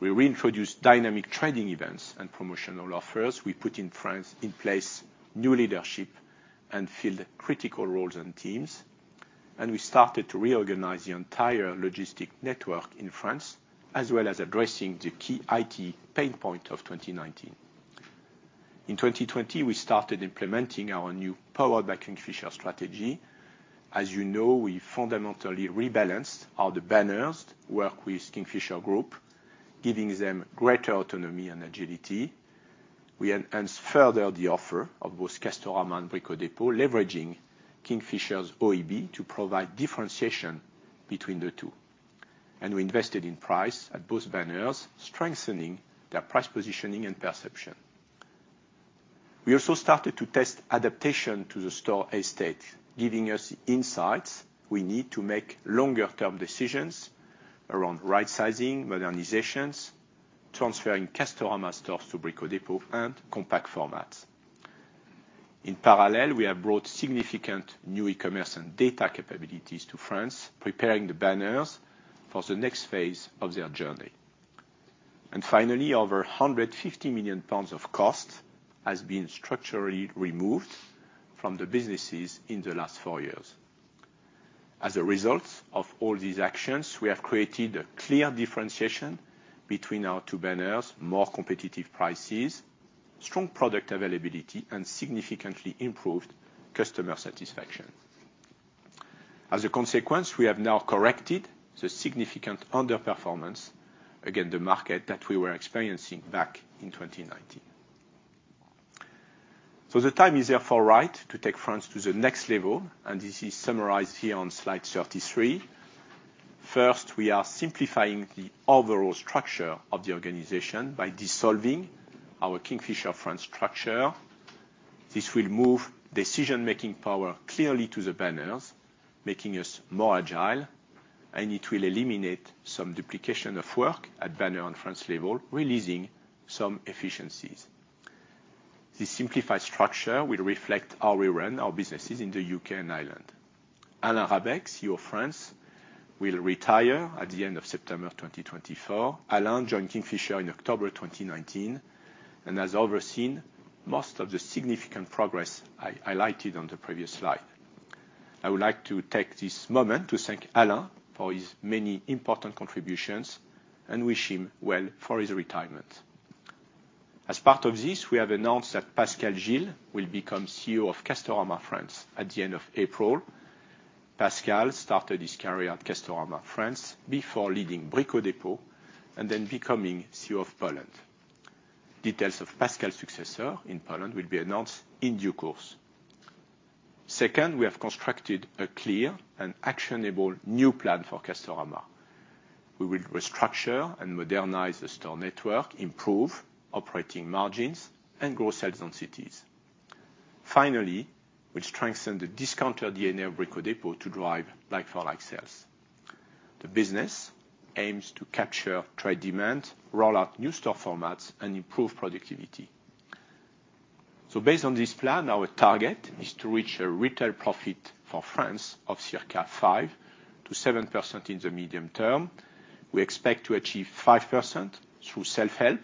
We reintroduced dynamic trading events and promotional offers. We put in place new leadership and filled critical roles and teams. We started to reorganize the entire logistics network in France as well as addressing the key IT pain point of 2019. In 2020, we started implementing our new powered by Kingfisher strategy. As you know, we fundamentally rebalanced how the banners work with Kingfisher Group, giving them greater autonomy and agility. We enhanced further the offer of both Castorama and Brico Dépôt, leveraging Kingfisher's OEB to provide differentiation between the two. We invested in price at both banners, strengthening their price positioning and perception. We also started to test adaptation to the store estate, giving us the insights we need to make longer-term decisions around right-sizing, modernizations, transferring Castorama stores to Brico Dépôt, and compact formats. In parallel, we have brought significant new e-commerce and data capabilities to France, preparing the banners for the next phase of their journey. Finally, over 150 million pounds of cost has been structurally removed from the businesses in the last four years. As a result of all these actions, we have created a clear differentiation between our two banners, more competitive prices, strong product availability, and significantly improved customer satisfaction. As a consequence, we have now corrected the significant underperformance against the market that we were experiencing back in 2019. The time is therefore right to take France to the next level. This is summarized here on slide 33. First, we are simplifying the overall structure of the organization by dissolving our Kingfisher France structure. This will move decision-making power clearly to the banners, making us more agile. And it will eliminate some duplication of work at banner and France level, releasing some efficiencies. This simplified structure will reflect how we run our businesses in the U.K. and Ireland. Alain Rabec, CEO of France, will retire at the end of September 2024. Alain joined Kingfisher in October 2019 and has overseen most of the significant progress I highlighted on the previous slide. I would like to take this moment to thank Alain for his many important contributions and wish him well for his retirement. As part of this, we have announced that Pascal Gil will become CEO of Castorama France at the end of April. Pascal started his career at Castorama, France, before leading Brico Dépôt and then becoming CEO of Poland. Details of Pascal's successor in Poland will be announced in due course. Second, we have constructed a clear and actionable new plan for Castorama. We will restructure and modernize the store network, improve operating margins, and grow sales densities. Finally, we'll strengthen the discounter DNA of Brico Dépôt to drive like-for-like sales. The business aims to capture trade demand, rollout new store formats, and improve productivity. Based on this plan, our target is to reach a retail profit for France of circa 5%-7% in the medium term. We expect to achieve 5% through self-help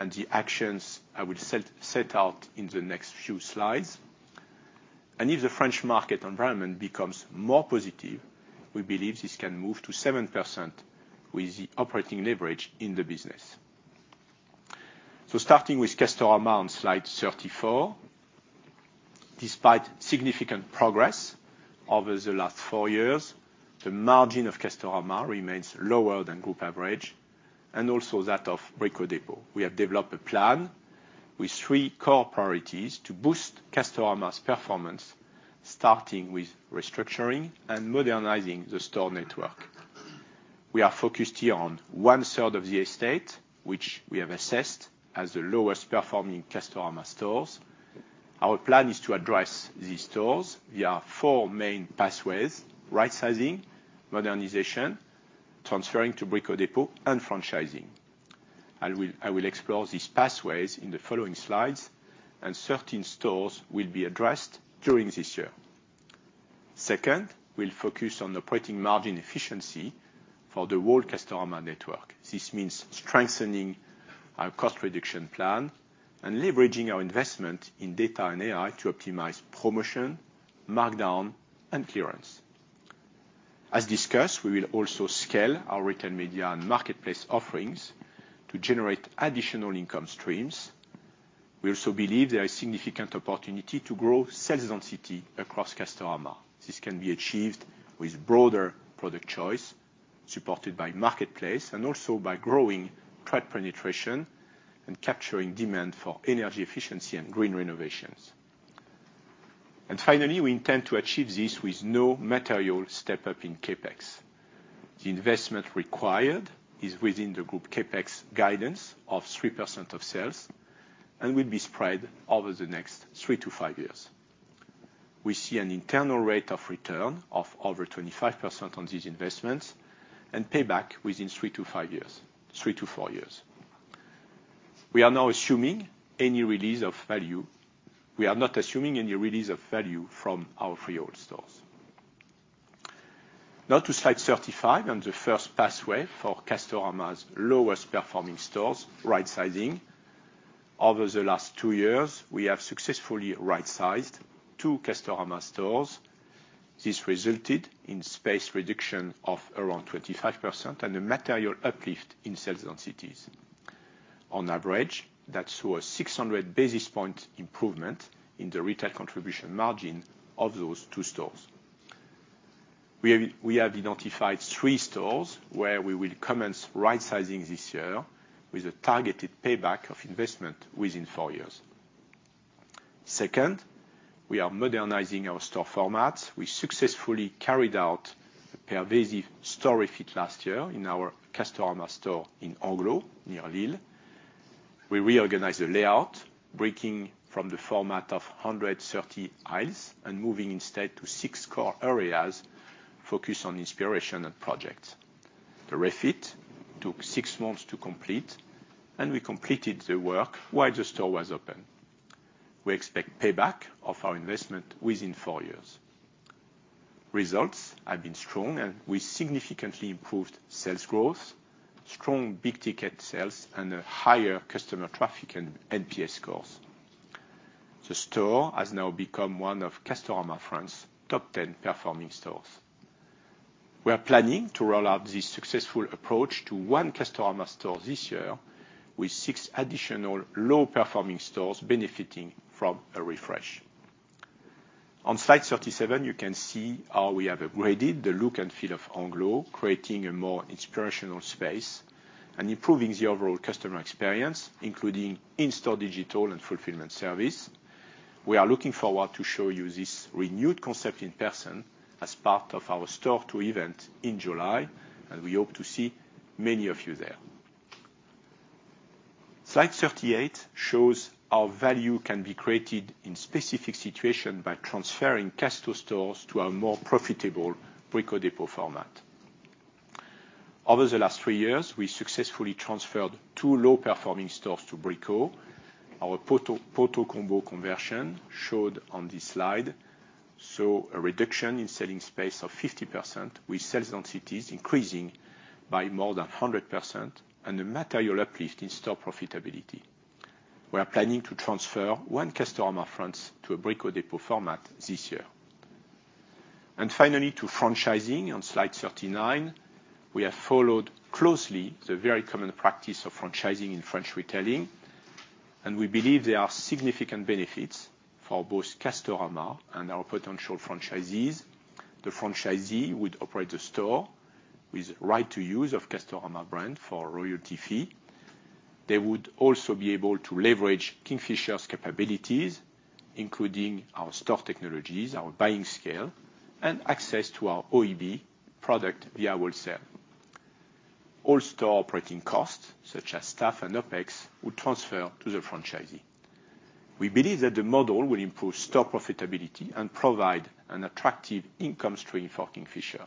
and the actions I will set out in the next few slides. If the French market environment becomes more positive, we believe this can move to 7% with the operating leverage in the business. Starting with Castorama on slide 34, despite significant progress over the last four years, the margin of Castorama remains lower than group average and also that of Brico Dépôt. We have developed a plan with three core priorities to boost Castorama's performance, starting with restructuring and modernizing the store network. We are focused here on 1/3 of the estate, which we have assessed as the lowest performing Castorama stores. Our plan is to address these stores via four main pathways: right-sizing, modernization, transferring to Brico Dépôt, and franchising. I will explore these pathways in the following slides. 13 stores will be addressed during this year. Second, we'll focus on operating margin efficiency for the whole Castorama network. This means strengthening our cost reduction plan and leveraging our investment in data and AI to optimize promotion, markdown, and clearance. As discussed, we will also scale our retail media and marketplace offerings to generate additional income streams. We also believe there is significant opportunity to grow sales density across Castorama. This can be achieved with broader product choice supported by marketplace and also by growing trade penetration and capturing demand for energy efficiency and green renovations. Finally, we intend to achieve this with no material step-up in CapEx. The investment required is within the group CapEx guidance of 3% of sales and will be spread over the next three to five years. We see an internal rate of return of over 25% on these investments and payback within three to four years. We are now not assuming any release of value from our three old stores. Now to slide 35 and the first pathway for Castorama's lowest performing stores, right-sizing. Over the last two years, we have successfully right-sized two Castorama stores. This resulted in space reduction of around 25% and a material uplift in sales densities. On average, that saw a 600 basis points improvement in the retail contribution margin of those two stores. We have identified 3 stores where we will commence right-sizing this year with a targeted payback of investment within four years. Second, we are modernizing our store formats. We successfully carried out a pervasive store refit last year in our Castorama store in Englos near Lille. We reorganized the layout, breaking from the format of 130 aisles and moving instead to six core areas focused on inspiration and projects. The refit took six months to complete. We completed the work while the store was open. We expect payback of our investment within four years. Results have been strong. We significantly improved sales growth, strong big-ticket sales, and higher customer traffic and NPS scores. The store has now become one of Castorama France's top 10 performing stores. We are planning to roll out this successful approach to one Castorama store this year with six additional low-performing stores benefiting from a refresh. On slide 37, you can see how we have upgraded the look and feel of Englos, creating a more inspirational space and improving the overall customer experience, including in-store digital and fulfillment service. We are looking forward to showing you this renewed concept in person as part of our store tour event in July. We hope to see many of you there. Slide 38 shows how value can be created in specific situations by transferring Castorama stores to a more profitable Brico Dépôt format. Over the last three years, we successfully transferred two low-performing stores to Brico. Our Pontault-Combault conversion showed on this slide. A reduction in selling space of 50% with sales densities increasing by more than 100% and a material uplift in store profitability. We are planning to transfer one Castorama France to a Brico Dépôt format this year. Finally, to franchising on slide 39, we have followed closely the very common practice of franchising in French retailing. We believe there are significant benefits for both Castorama and our potential franchisees. The franchisee would operate the store with right-to-use of Castorama brand for royalty fee. They would also be able to leverage Kingfisher's capabilities, including our store technologies, our buying scale, and access to our OEB product via wholesale. All store operating costs, such as staff and OPEX, would transfer to the franchise. We believe that the model will improve store profitability and provide an attractive income stream for Kingfisher.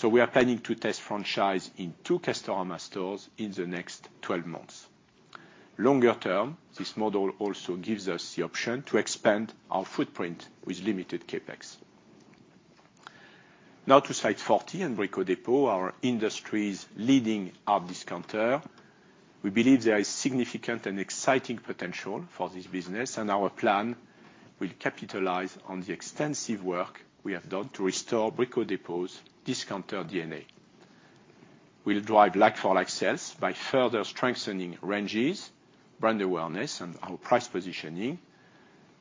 So we are planning to test franchise in two Castorama stores in the next 12 months. Longer term, this model also gives us the option to expand our footprint with limited CapEx. Now to slide 40 and Brico Dépôt, our industry's leading hard discounter. We believe there is significant and exciting potential for this business. And our plan will capitalize on the extensive work we have done to restore Brico Dépôt's discounter DNA. We'll drive like-for-like sales by further strengthening ranges, brand awareness, and our price positioning.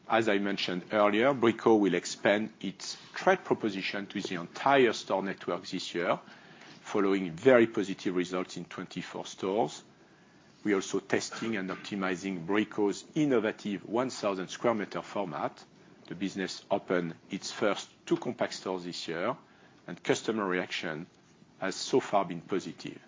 As I mentioned earlier, Brico will expand its trade proposition to the entire store network this year, following very positive results in 24 stores. We are also testing and optimizing Brico's innovative 1,000 m² format. The business opened its first two compact stores this year. And customer reaction has so far been positive.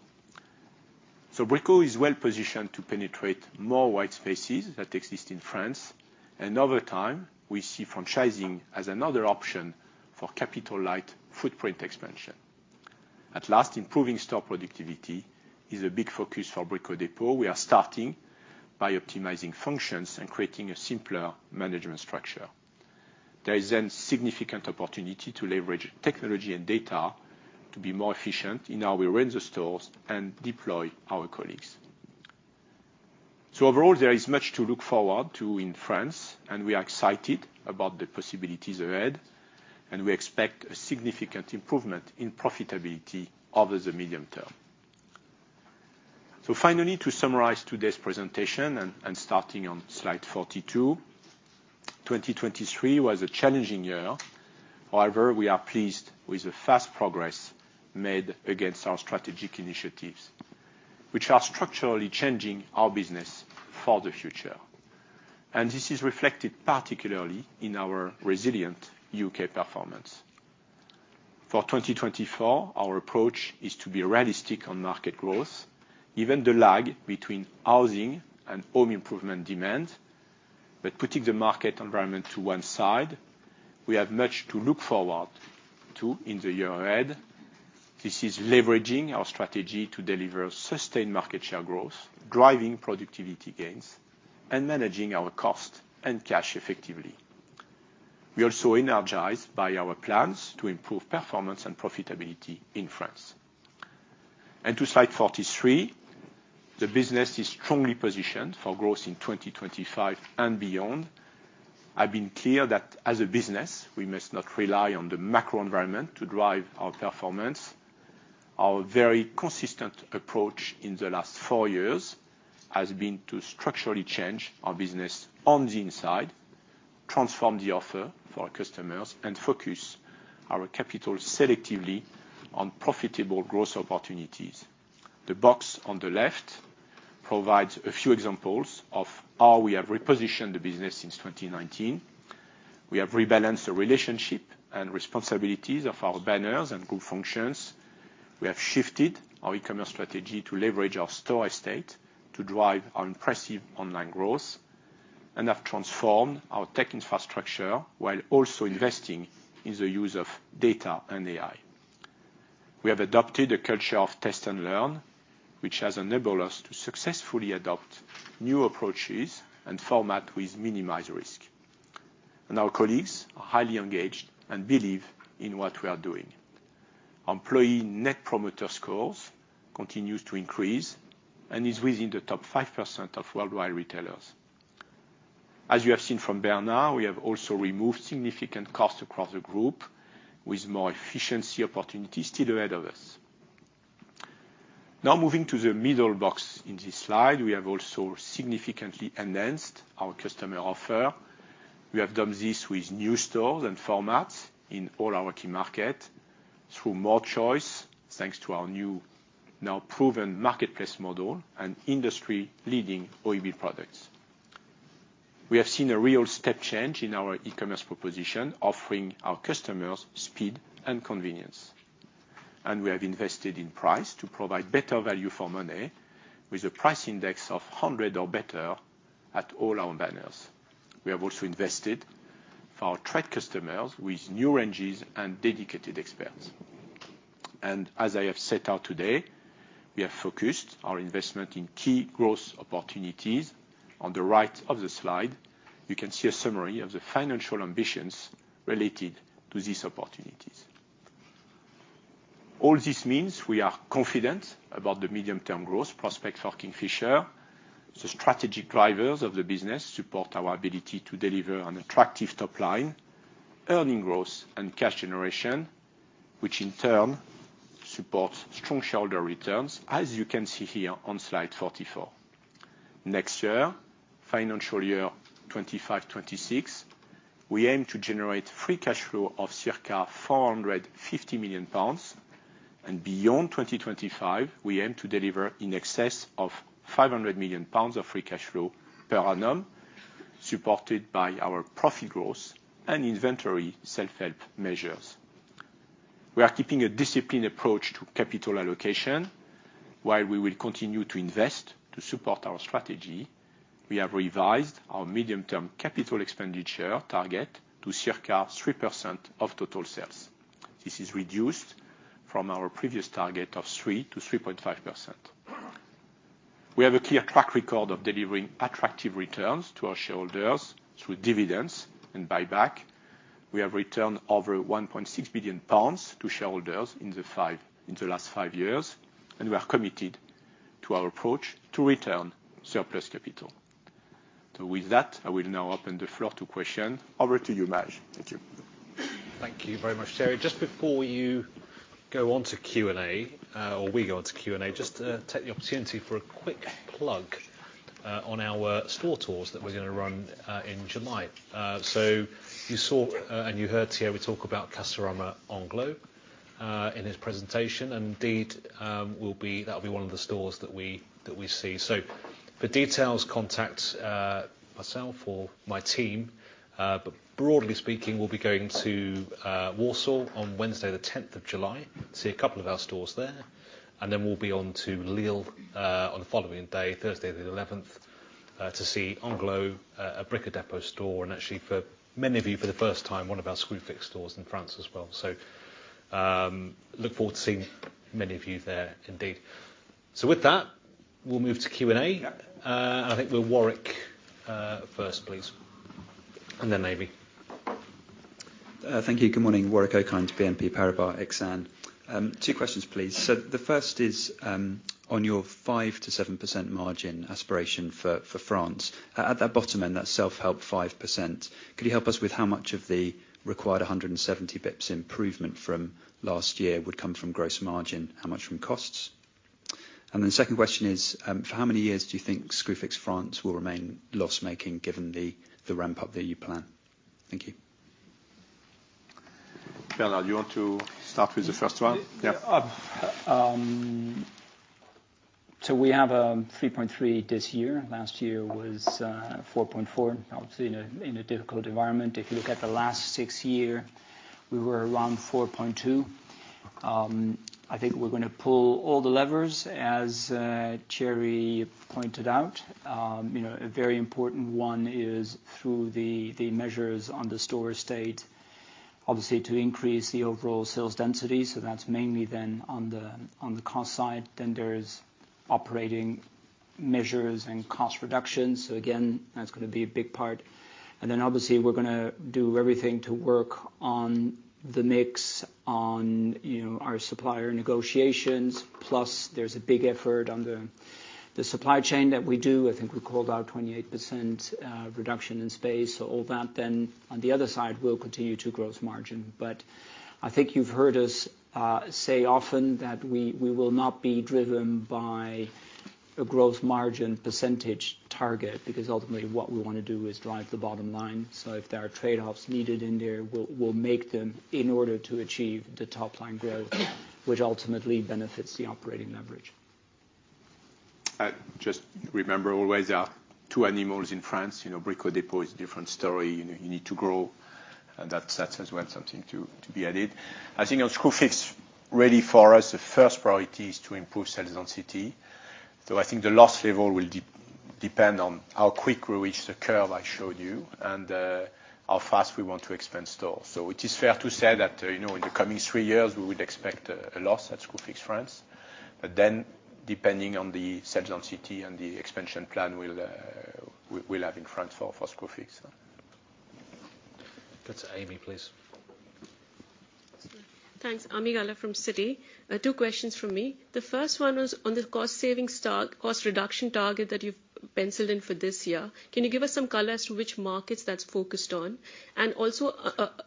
Brico Dépôt is well positioned to penetrate more white spaces that exist in France. Over time, we see franchising as another option for capital light footprint expansion. At last, improving store productivity is a big focus for Brico Dépôt. We are starting by optimizing functions and creating a simpler management structure. There is then significant opportunity to leverage technology and data to be more efficient in how we run the stores and deploy our colleagues. Overall, there is much to look forward to in France. We are excited about the possibilities ahead. We expect a significant improvement in profitability over the medium term. Finally, to summarize today's presentation and starting on slide 42, 2023 was a challenging year. However, we are pleased with the fast progress made against our strategic initiatives, which are structurally changing our business for the future. This is reflected particularly in our resilient U.K. performance. For 2024, our approach is to be realistic on market growth, even the lag between housing and home improvement demand. But putting the market environment to one side, we have much to look forward to in the year ahead. This is leveraging our strategy to deliver sustained market share growth, driving productivity gains, and managing our cost and cash effectively. We are also energized by our plans to improve performance and profitability in France. To Slide 43, the business is strongly positioned for growth in 2025 and beyond. I've been clear that as a business, we must not rely on the macro environment to drive our performance. Our very consistent approach in the last four years has been to structurally change our business on the inside, transform the offer for our customers, and focus our capital selectively on profitable growth opportunities. The box on the left provides a few examples of how we have repositioned the business since 2019. We have rebalanced the relationship and responsibilities of our banners and group functions. We have shifted our e-commerce strategy to leverage our store estate to drive our impressive online growth and have transformed our tech infrastructure while also investing in the use of data and AI. We have adopted a culture of test and learn, which has enabled us to successfully adopt new approaches and formats with minimized risk. Our colleagues are highly engaged and believe in what we are doing. Employee net promoter scores continue to increase and is within the top 5% of worldwide retailers. As you have seen from Bernard, we have also removed significant costs across the group with more efficiency opportunities still ahead of us. Now moving to the middle box in this slide, we have also significantly enhanced our customer offer. We have done this with new stores and formats in all our key markets through more choice, thanks to our new, now proven marketplace model and industry-leading OEB products. We have seen a real step change in our e-commerce proposition, offering our customers speed and convenience. We have invested in price to provide better value for money with a price index of 100 or better at all our banners. We have also invested for our trade customers with new ranges and dedicated experts. As I have set out today, we have focused our investment in key growth opportunities. On the right of the slide, you can see a summary of the financial ambitions related to these opportunities. All this means we are confident about the medium-term growth prospect for Kingfisher. The strategic drivers of the business support our ability to deliver an attractive top line, earnings growth, and cash generation, which in turn supports strong shareholder returns, as you can see here on slide 44. Next year, financial year 2025/2026, we aim to generate free cash flow of circa 450 million pounds. Beyond 2025, we aim to deliver in excess of 500 million pounds of free cash flow per annum, supported by our profit growth and inventory self-help measures. We are keeping a disciplined approach to capital allocation. While we will continue to invest to support our strategy, we have revised our medium-term capital expenditure target to circa 3% of total sales. This is reduced from our previous target of 3%-3.5%. We have a clear track record of delivering attractive returns to our shareholders through dividends and buyback. We have returned over 1.6 billion pounds to shareholders in the last five years. And we are committed to our approach to return surplus capital. So with that, I will now open the floor to questions. Over to you, Majid. Thank you. Thank you very much, Thierry. Just before you go on to Q and A or we go on to Q &and A, just take the opportunity for a quick plug on our store tours that we're going to run in July. So you saw and you heard Thierry talk about Castorama Englos in his presentation. And indeed, that will be one of the stores that we see. So for details, contact myself or my team. But broadly speaking, we'll be going to Warsaw on Wednesday, the 10th of July, to see a couple of our stores there. And then we'll be on to Lille on the following day, Thursday, the 11th, to see Englos, a Brico Dépôt store. And actually, for many of you, for the first time, one of our Screwfix stores in France as well. So look forward to seeing many of you there indeed. So with that, we'll move to Q and A. And I think we'll Warwick first, please. And then Nazir. Thank you. Good morning. Warwick Okines, BNP Paribas Exane. Two questions, please. So the first is on your 5%-7% margin aspiration for France. At that bottom end, that self-help 5%, could you help us with how much of the required 170 basis points improvement from last year would come from gross margin, how much from costs? And then the second question is, for how many years do you think Screwfix France will remain loss-making given the ramp-up that you plan? Thank you. Bernard, do you want to start with the first one? Yeah. So we have a 3.3 this year. Last year was 4.4. Obviously, in a difficult environment, if you look at the last six years, we were around 4.2. I think we're going to pull all the levers, as Thierry pointed out. A very important one is through the measures on the store estate, obviously, to increase the overall sales density. So that's mainly then on the cost side. Then there's operating measures and cost reductions. So again, that's going to be a big part. And then obviously, we're going to do everything to work on the mix on our supplier negotiations. Plus, there's a big effort on the supply chain that we do. I think we called out 28% reduction in space. So all that then, on the other side, will continue to gross margin. But I think you've heard us say often that we will not be driven by a gross margin percentage target because ultimately, what we want to do is drive the bottom line. So if there are trade-offs needed in there, we'll make them in order to achieve the top line growth, which ultimately benefits the operating leverage. Just remember always our two animals in France. Brico Dépôt is a different story. You need to grow. And that's as well something to be added. I think on Screwfix, really for us, the first priority is to improve sales density. So I think the loss level will depend on how quick we reach the curve I showed you and how fast we want to expand stores. So it is fair to say that in the coming three years, we would expect a loss at Screwfix France. But then depending on the sales density and the expansion plan we'll have in France for Screwfix. That's Ami, please. Thanks. Ami Galla from Citi. Two questions from me. The first one was on the cost-saving cost reduction target that you've penciled in for this year. Can you give us some colors to which markets that's focused on and also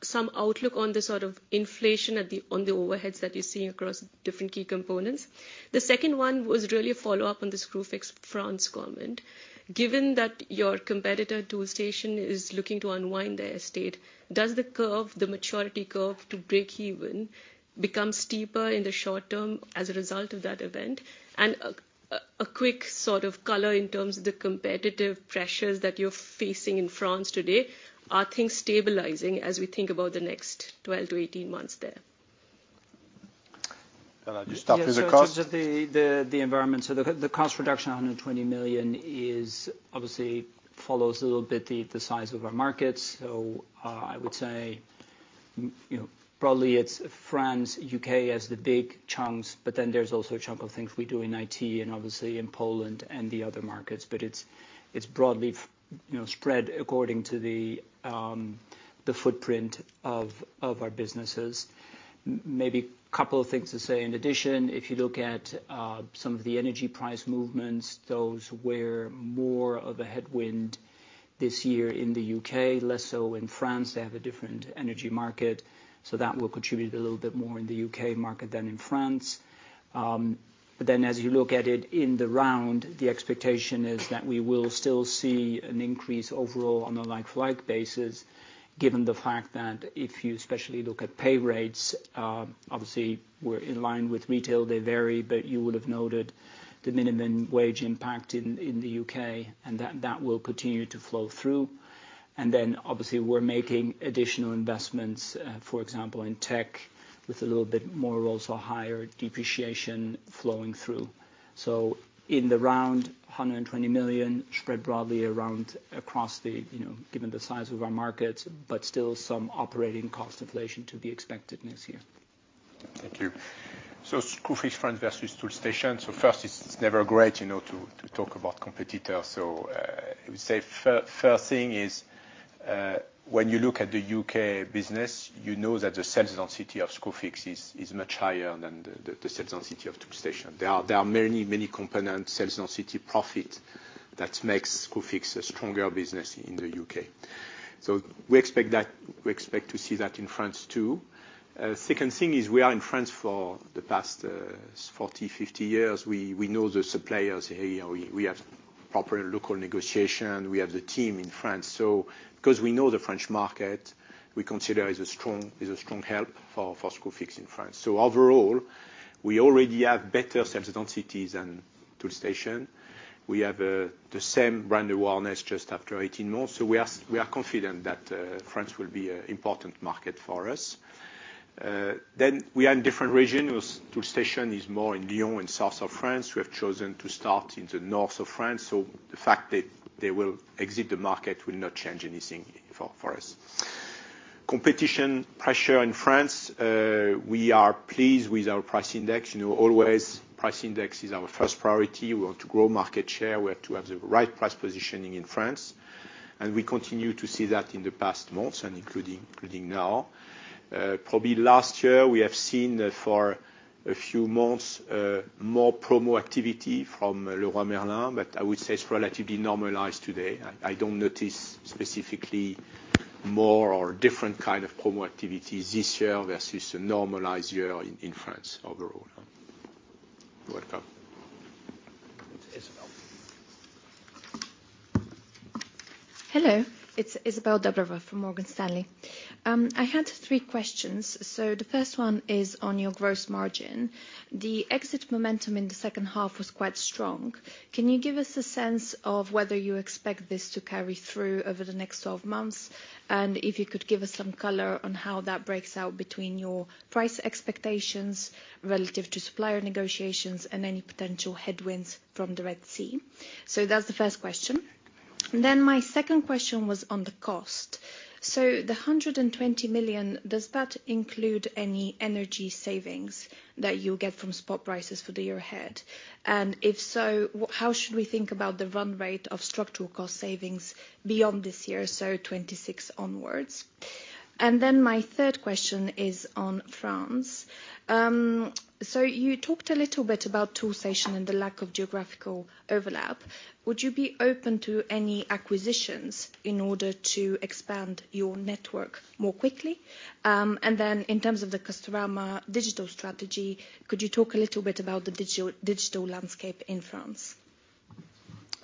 some outlook on the sort of inflation on the overheads that you're seeing across different key components? The second one was really a follow-up on the Screwfix France comment. Given that your competitor Toolstation is looking to unwind their estate, does the maturity curve to break even become steeper in the short term as a result of that event? And a quick sort of color in terms of the competitive pressures that you're facing in France today, are things stabilizing as we think about the next 12months-18 months there? Bernard, just start with the cost. So in terms of the environment, the cost reduction 120 million obviously follows a little bit the size of our markets. So I would say broadly, it's France, U.K. as the big chunks. But then there's also a chunk of things we do in IT and obviously in Poland and the other markets. But it's broadly spread according to the footprint of our businesses. Maybe a couple of things to say. In addition, if you look at some of the energy price movements, those were more of a headwind this year in the U.K., less so in France. They have a different energy market. So that will contribute a little bit more in the U.K. market than in France. But then as you look at it in the round, the expectation is that we will still see an increase overall on a like-for-like basis given the fact that if you especially look at pay rates, obviously, we're in line with retail. They vary. But you will have noted the minimum wage impact in the U.K. And that will continue to flow through. And then obviously, we're making additional investments, for example, in tech with a little bit more also higher depreciation flowing through. So in the round, 120 million spread broadly around across given the size of our markets, but still some operating cost inflation to be expected next year. Thank you. So Screwfix France versus Toolstation. So first, it's never great to talk about competitors. So I would say first thing is when you look at the U.K. business, you know that the sales density of Screwfix is much higher than the sales density of Toolstation. There are many, many component sales density profit that makes Screwfix a stronger business in the U.K.. So we expect to see that in France too. Second thing is we are in France for the past 40, 50 years. We know the suppliers here. We have proper local negotiation. We have the team in France. So because we know the French market, we consider it a strong help for Screwfix in France. So overall, we already have better sales densities than Toolstation. We have the same brand awareness just after 18 months. So we are confident that France will be an important market for us. Then we are in different regions. Toolstation is more in Lyon and south of France. We have chosen to start in the north of France. So the fact that they will exit the market will not change anything for us. Competition pressure in France, we are pleased with our price index. Always, price index is our first priority. We want to grow market share. We have to have the right price positioning in France. And we continue to see that in the past months and including now. Probably last year, we have seen for a few months more promo activity from Leroy Merlin. But I would say it's relatively normalized today. I don't notice specifically more or different kind of promo activity this year versus a normalized year in France overall. Welcome. Hello. It's Izabel Dobreva from Morgan Stanley. I had three questions. So the first one is on your gross margin. The exit momentum in the second half was quite strong. Can you give us a sense of whether you expect this to carry through over the next 12 months and if you could give us some color on how that breaks out between your price expectations relative to supplier negotiations and any potential headwinds from the Red Sea? So that's the first question. Then my second question was on the cost. So the 120 million, does that include any energy savings that you get from spot prices for the year ahead? And if so, how should we think about the run rate of structural cost savings beyond this year, so 2026 onwards? And then my third question is on France. So you talked a little bit about Toolstation and the lack of geographical overlap. Would you be open to any acquisitions in order to expand your network more quickly? And then in terms of the Castorama digital strategy, could you talk a little bit about the digital landscape in France?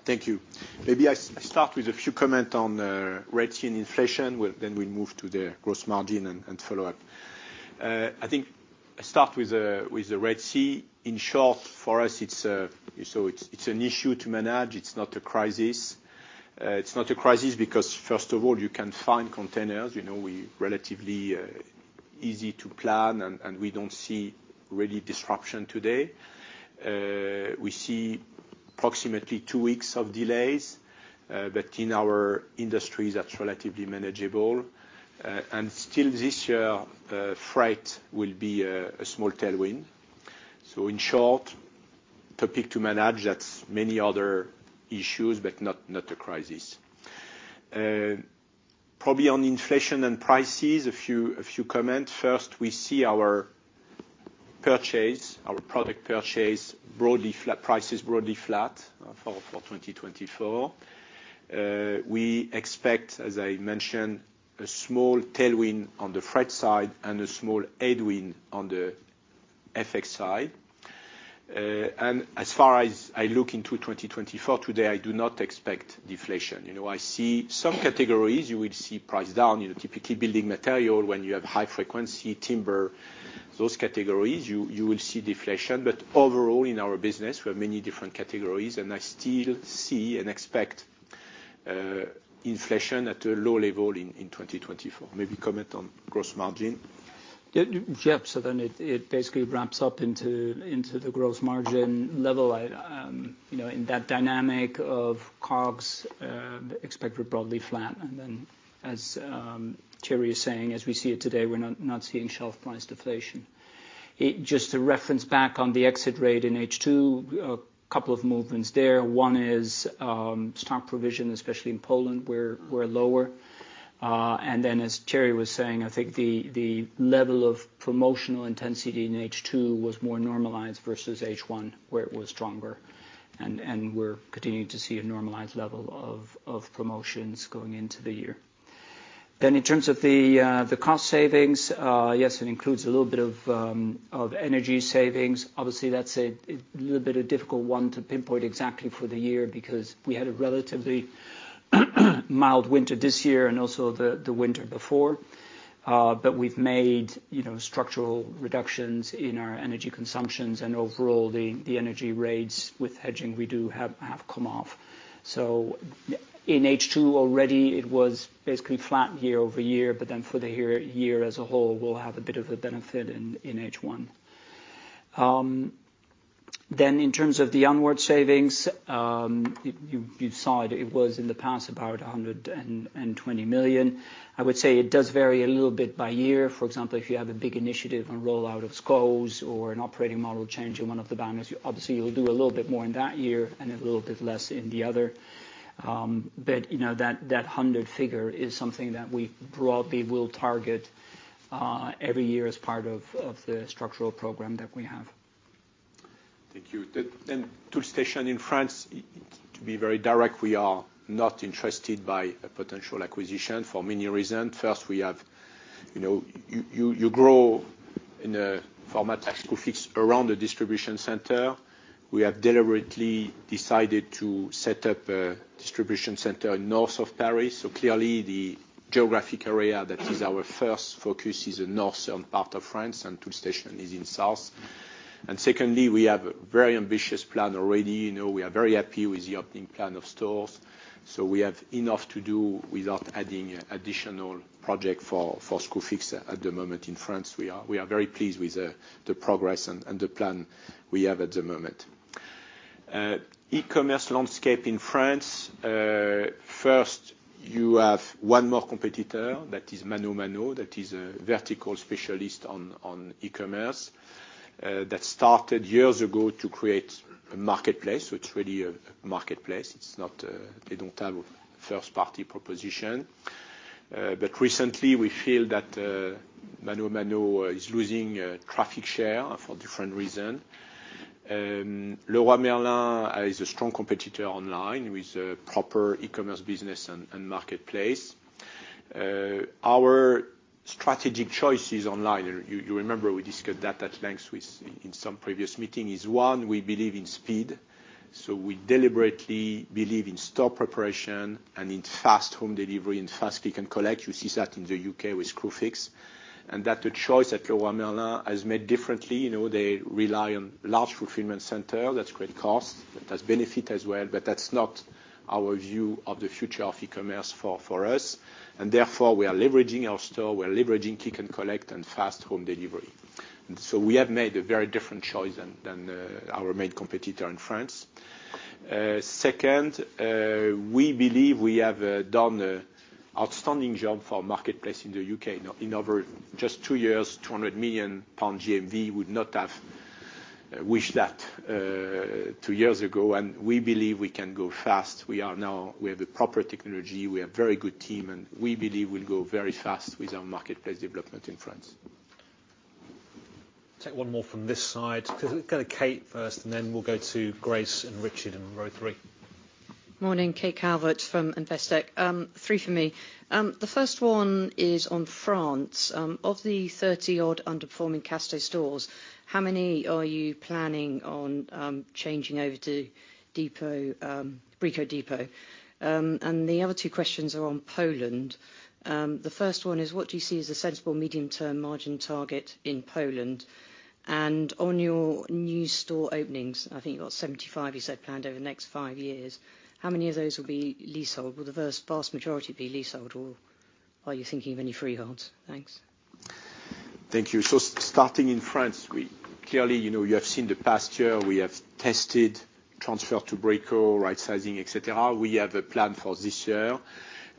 Thank you. Maybe I start with a few comments on Red Sea and inflation. Then we'll move to the gross margin and follow up. I think I start with the Red Sea. In short, for us, it's an issue to manage. It's not a crisis. It's not a crisis because, first of all, you can find containers. We're relatively easy to plan. And we don't see really disruption today. We see approximately two weeks of delays. But in our industries, that's relatively manageable. And still this year, freight will be a small tailwind. So in short, topic to manage. That's many other issues, but not a crisis. Probably on inflation and prices, a few comments. First, we see our product purchase prices broadly flat for 2024. We expect, as I mentioned, a small tailwind on the freight side and a small headwind on the FX side. As far as I look into 2024, today, I do not expect deflation. I see some categories. You will see price down, typically building material when you have high frequency, timber, those categories. You will see deflation. But overall, in our business, we have many different categories. And I still see and expect inflation at a low level in 2024. Maybe comment on gross margin. Yeah. So then it basically ramps up into the gross margin level. In that dynamic of COGS, expect it broadly flat. And then as Cherry is saying, as we see it today, we're not seeing shelf price deflation. Just to reference back on the exit rate in H2, a couple of movements there. One is stock provision, especially in Poland, were lower. An then as Thierry was saying, I think the level of promotional intensity in H2 was more normalized versus H1, where it was stronger. And we're continuing to see a normalized level of promotions going into the year. Then in terms of the cost savings, yes, it includes a little bit of energy savings. Obviously, that's a little bit of a difficult one to pinpoint exactly for the year because we had a relatively mild winter this year and also the winter before. We've made structural reductions in our energy consumption. Overall, the energy rates with hedging, we do have come off. In H2 already, it was basically flat year-over-year. For the year as a whole, we'll have a bit of a benefit in H1. In terms of the onward savings, you saw it was in the past about 120 million. I would say it does vary a little bit by year. For example, if you have a big initiative on rollout of SCOs or an operating model change in one of the banners, obviously, you'll do a little bit more in that year and a little bit less in the other. That 100 figure is something that we broadly will target every year as part of the structural program that we have. Thank you. And Toolstation in France, to be very direct, we are not interested by a potential acquisition for many reasons. First, we have you grow in a format like Screwfix around the distribution center. We have deliberately decided to set up a distribution center north of Paris. So clearly, the geographic area that is our first focus is the northern part of France. And Toolstation is in south. And secondly, we have a very ambitious plan already. We are very happy with the opening plan of stores. So we have enough to do without adding additional project for Screwfix at the moment in France. We are very pleased with the progress and the plan we have at the moment. E-commerce landscape in France, first, you have one more competitor that is ManoMano. That is a vertical specialist on e-commerce that started years ago to create a marketplace. So it's really a marketplace. They don't have a first-party proposition. But recently, we feel that ManoMano is losing traffic share for different reasons. Leroy Merlin is a strong competitor online with a proper e-commerce business and marketplace. Our strategic choices online and you remember we discussed that at length in some previous meeting is, one, we believe in speed. So we deliberately believe in store preparation and in fast home delivery and fast click-and-collect. You see that in the U.K. with Screwfix. And that's a choice that Leroy Merlin has made differently. They rely on large fulfillment centers. That's great cost. That has benefit as well. But that's not our view of the future of e-commerce for us. And therefore, we are leveraging our store. We are leveraging click-and-collect and fast home delivery. So we have made a very different choice than our main competitor in France. Second, we believe we have done an outstanding job for a marketplace in the U.K.. In just two years, 200 million pound GMV would not have wished that two years ago. We believe we can go fast. We have the proper technology. We have a very good team. We believe we'll go very fast with our marketplace development in France. Take one more from this side. Kind of Kate first. Then we'll go to Grace and Richard and row three. Morning. Kate Calvert from Investec. Three for me. The first one is on France. Of the 30-odd underperforming Casto stores, how many are you planning on changing over to Brico Dépôt? And the other two questions are on Poland. The first one is, what do you see as a sensible medium-term margin target in Poland? And on your new store openings, I think you've got 75, you said, planned over the next five years. How many of those will be leasehold? Will the vast majority be leasehold, or are you thinking of any freeholds? Thanks. Thank you. So starting in France, clearly, you have seen the past year. We have tested transfer to Brico, right-sizing, et cetera. We have a plan for this year.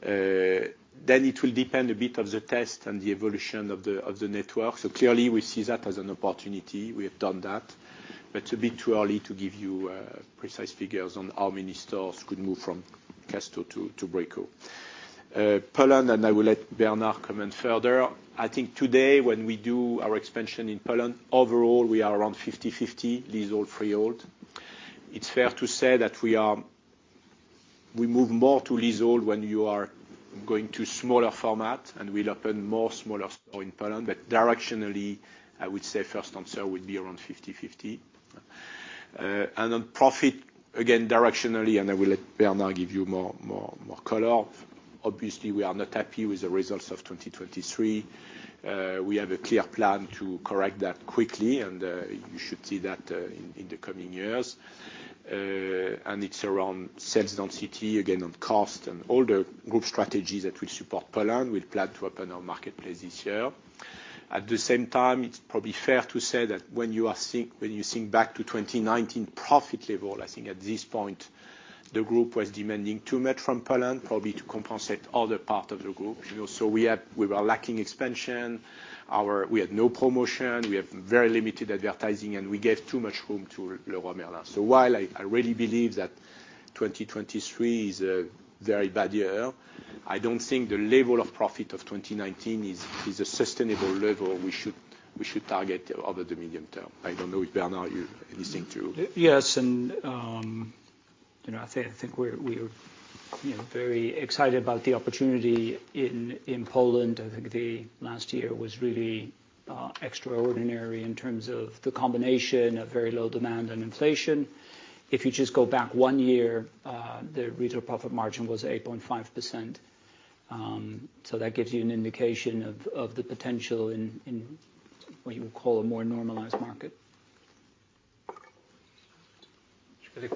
Then it will depend a bit on the test and the evolution of the network. So clearly, we see that as an opportunity. We have done that. But it's a bit too early to give you precise figures on how many stores could move from Casto to Brico. Poland, and I will let Bernard comment further. I think today, when we do our expansion in Poland, overall, we are around 50/50 leasehold/freehold. It's fair to say that we move more to leasehold when you are going to smaller format. And we'll open more smaller stores in Poland. But directionally, I would say first answer would be around 50/50. On profit, again, directionally, and I will let Bernard give you more color, obviously, we are not happy with the results of 2023. We have a clear plan to correct that quickly. You should see that in the coming years. It's around sales density, again, on cost and all the group strategies that will support Poland. We'll plan to open our marketplace this year. At the same time, it's probably fair to say that when you think back to 2019 profit level, I think at this point, the group was demanding too much from Poland, probably to compensate other part of the group. So we were lacking expansion. We had no promotion. We have very limited advertising. We gave too much room to Leroy Merlin. So while I really believe that 2023 is a very bad year, I don't think the level of profit of 2019 is a sustainable level we should target over the medium term. I don't know if, Bernard, you have anything to. Yes. I think we are very excited about the opportunity in Poland. I think the last year was really extraordinary in terms of the combination of very low demand and inflation. If you just go back one year, the regional profit margin was 8.5%. So that gives you an indication of the potential in what you would call a more normalized market.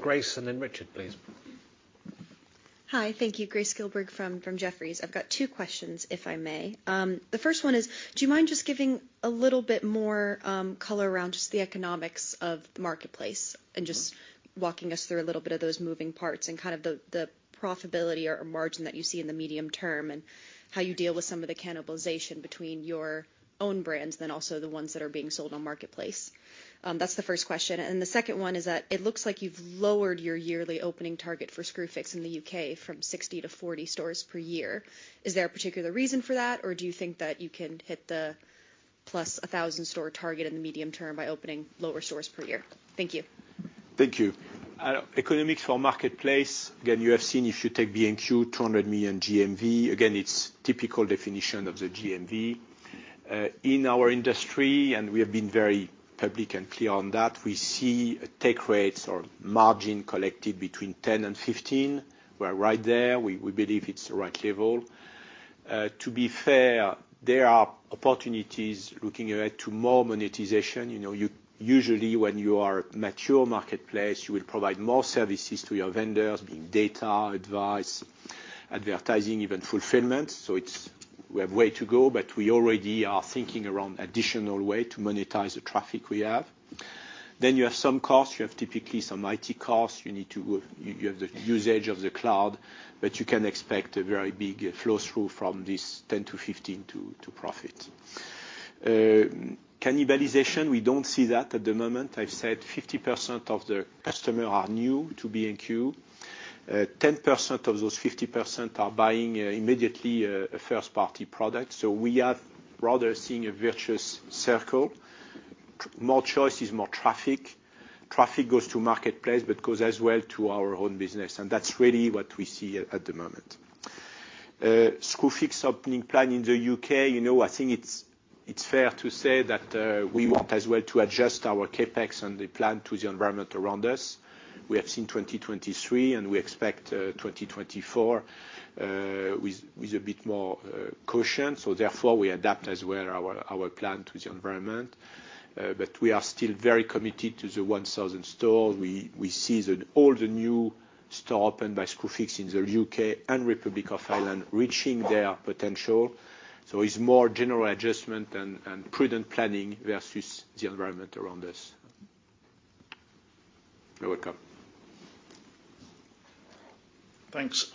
Grace and then Richard, please. Hi. Thank you. Grace Gilberg from Jefferies. I've got two questions, if I may. The first one is, do you mind just giving a little bit more color around just the economics of the marketplace and just walking us through a little bit of those moving parts and kind of the profitability or margin that you see in the medium term and how you deal with some of the cannibalization between your own brands and then also the ones that are being sold on Marketplace? That's the first question. And then the second one is that it looks like you've lowered your yearly opening target for Screwfix in the U.K. from 60 to 40 stores per year. Is there a particular reason for that? Or do you think that you can hit the +1,000 store target in the medium term by opening lower stores per year? Thank you. Thank you. Economics for Marketplace, again, you have seen if you take B&Q, 200 million GMV, again, it's typical definition of the GMV. In our industry, and we have been very public and clear on that, we see take rates or margin collected between 10%-15%. We're right there. We believe it's the right level. To be fair, there are opportunities looking ahead to more monetization. Usually, when you are a mature marketplace, you will provide more services to your vendors, being data, advice, advertising, even fulfillment. So we have way to go. But we already are thinking around additional way to monetize the traffic we have. Then you have some costs. You have typically some IT costs. You have the usage of the cloud. But you can expect a very big flow-through from this 10%-15% to profit. Cannibalization, we don't see that at the moment. I've said 50% of the customer are new to B&Q. 10% of those 50% are buying immediately a first-party product. So we are rather seeing a virtuous circle. More choice is more traffic. Traffic goes to marketplace but goes as well to our own business. And that's really what we see at the moment. Screwfix opening plan in the U.K., I think it's fair to say that we want as well to adjust our CapEx and the plan to the environment around us. We have seen 2023. And we expect 2024 with a bit more caution. So therefore, we adapt as well our plan to the environment. But we are still very committed to the 1,000 stores. We see all the new store opened by Screwfix in the U.K. and Republic of Ireland reaching their potential. So it's more general adjustment and prudent planning versus the environment around us. You're welcome. Thanks.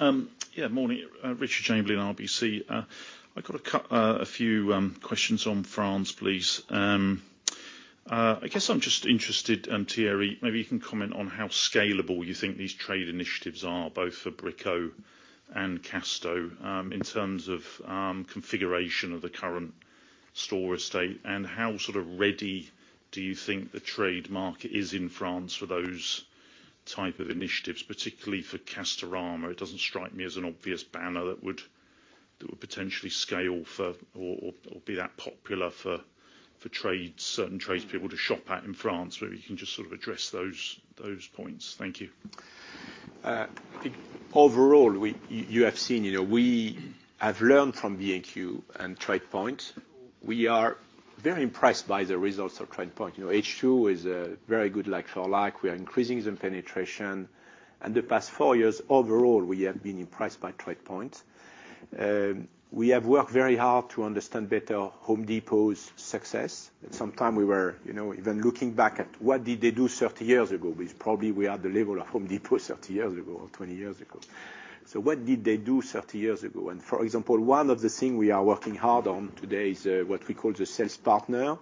Yeah. Morning. Richard Chamberlain, RBC. I've got a few questions on France, please. I guess I'm just interested, Thierry, maybe you can comment on how scalable you think these trade initiatives are, both for Brico and Casto, in terms of configuration of the current store estate and how sort of ready do you think the trade market is in France for those type of initiatives, particularly for Castorama? It doesn't strike me as an obvious banner that would potentially scale or be that popular for certain tradespeople to shop at in France. Maybe you can just sort of address those points. Thank you. I think overall, you have seen we have learned from B&Q and TradePoint. We are very impressed by the results of TradePoint. H2 is very good like for like. We are increasing the penetration. And the past four years, overall, we have been impressed by TradePoint. We have worked very hard to understand better Home Depot's success. And sometimes, we were even looking back at what did they do 30 years ago. But it's probably we are at the level of Home Depot 30 years ago or 20 years ago. So what did they do 30 years ago? And for example, one of the things we are working hard on today is what we call the sales partner.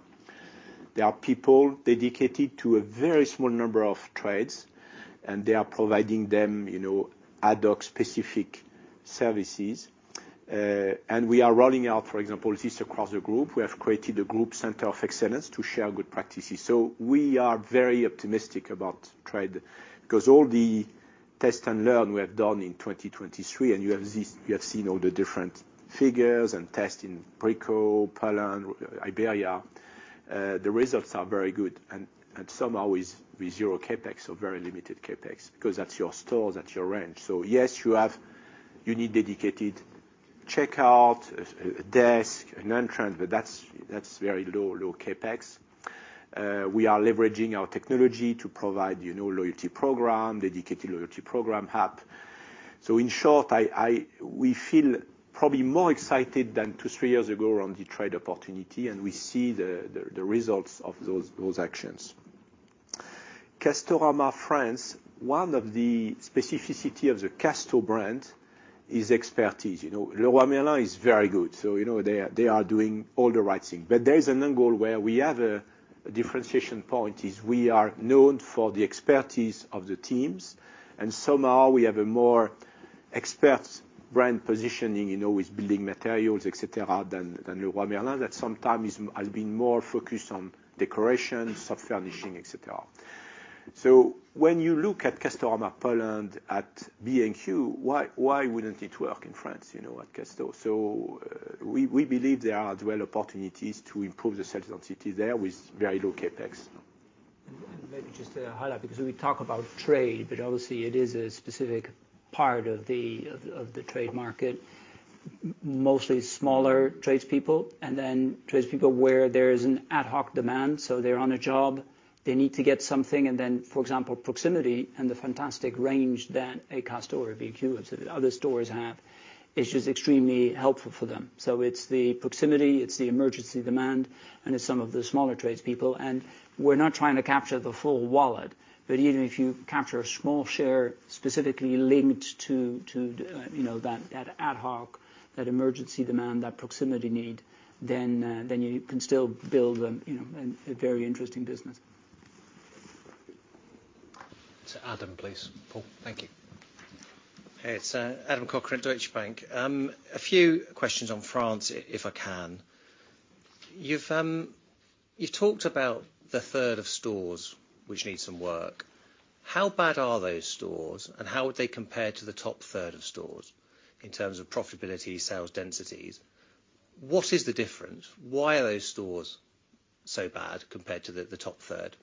There are people dedicated to a very small number of trades. And they are providing them ad hoc specific services. And we are rolling out, for example, this across the group. We have created a group center of excellence to share good practices. So we are very optimistic about trade because all the test and learn we have done in 2023, and you have seen all the different figures and tests in Brico, Poland, Iberia. The results are very good. And some are with zero CapEx or very limited CapEx because that's your store. That's your range. So yes, you need dedicated checkout, a desk, an entrance. But that's very low CapEx. We are leveraging our technology to provide a loyalty program, dedicated loyalty program app. So in short, we feel probably more excited than two, three years ago around the trade opportunity. And we see the results of those actions. Castorama, France, one of the specificities of the Casto brand is expertise. Leroy Merlin is very good. So they are doing all the right thing. There is an angle where we have a differentiation point. We are known for the expertise of the teams. And somehow, we have a more expert brand positioning with building materials, et cetera, than Leroy Merlin that sometimes has been more focused on decoration, soft furnishing, etc. When you look at Castorama Poland, at B&Q, why wouldn't it work in France at Castorama? We believe there are as well opportunities to improve the sales density there with very low CapEx. And maybe just a highlight because we talk about trade. But obviously, it is a specific part of the trade market, mostly smaller tradespeople and then tradespeople where there is an ad hoc demand. So they're on a job. They need to get something. And then, for example, proximity and the fantastic range that a Castorama or a B&Q or other stores have is just extremely helpful for them. So it's the proximity. It's the emergency demand. And it's some of the smaller tradespeople. And we're not trying to capture the full wallet. But even if you capture a small share specifically linked to that ad hoc, that emergency demand, that proximity need, then you can still build a very interesting business. To Adam, please. Bernard, thank you. Hey. It's Adam Cochrane, Deutsche Bank. A few questions on France, if I can. You've talked about the third of stores which need some work. How bad are those stores? And how would they compare to the top third of stores in terms of profitability, sales densities? What is the difference? Why are those stores so bad compared to the top third?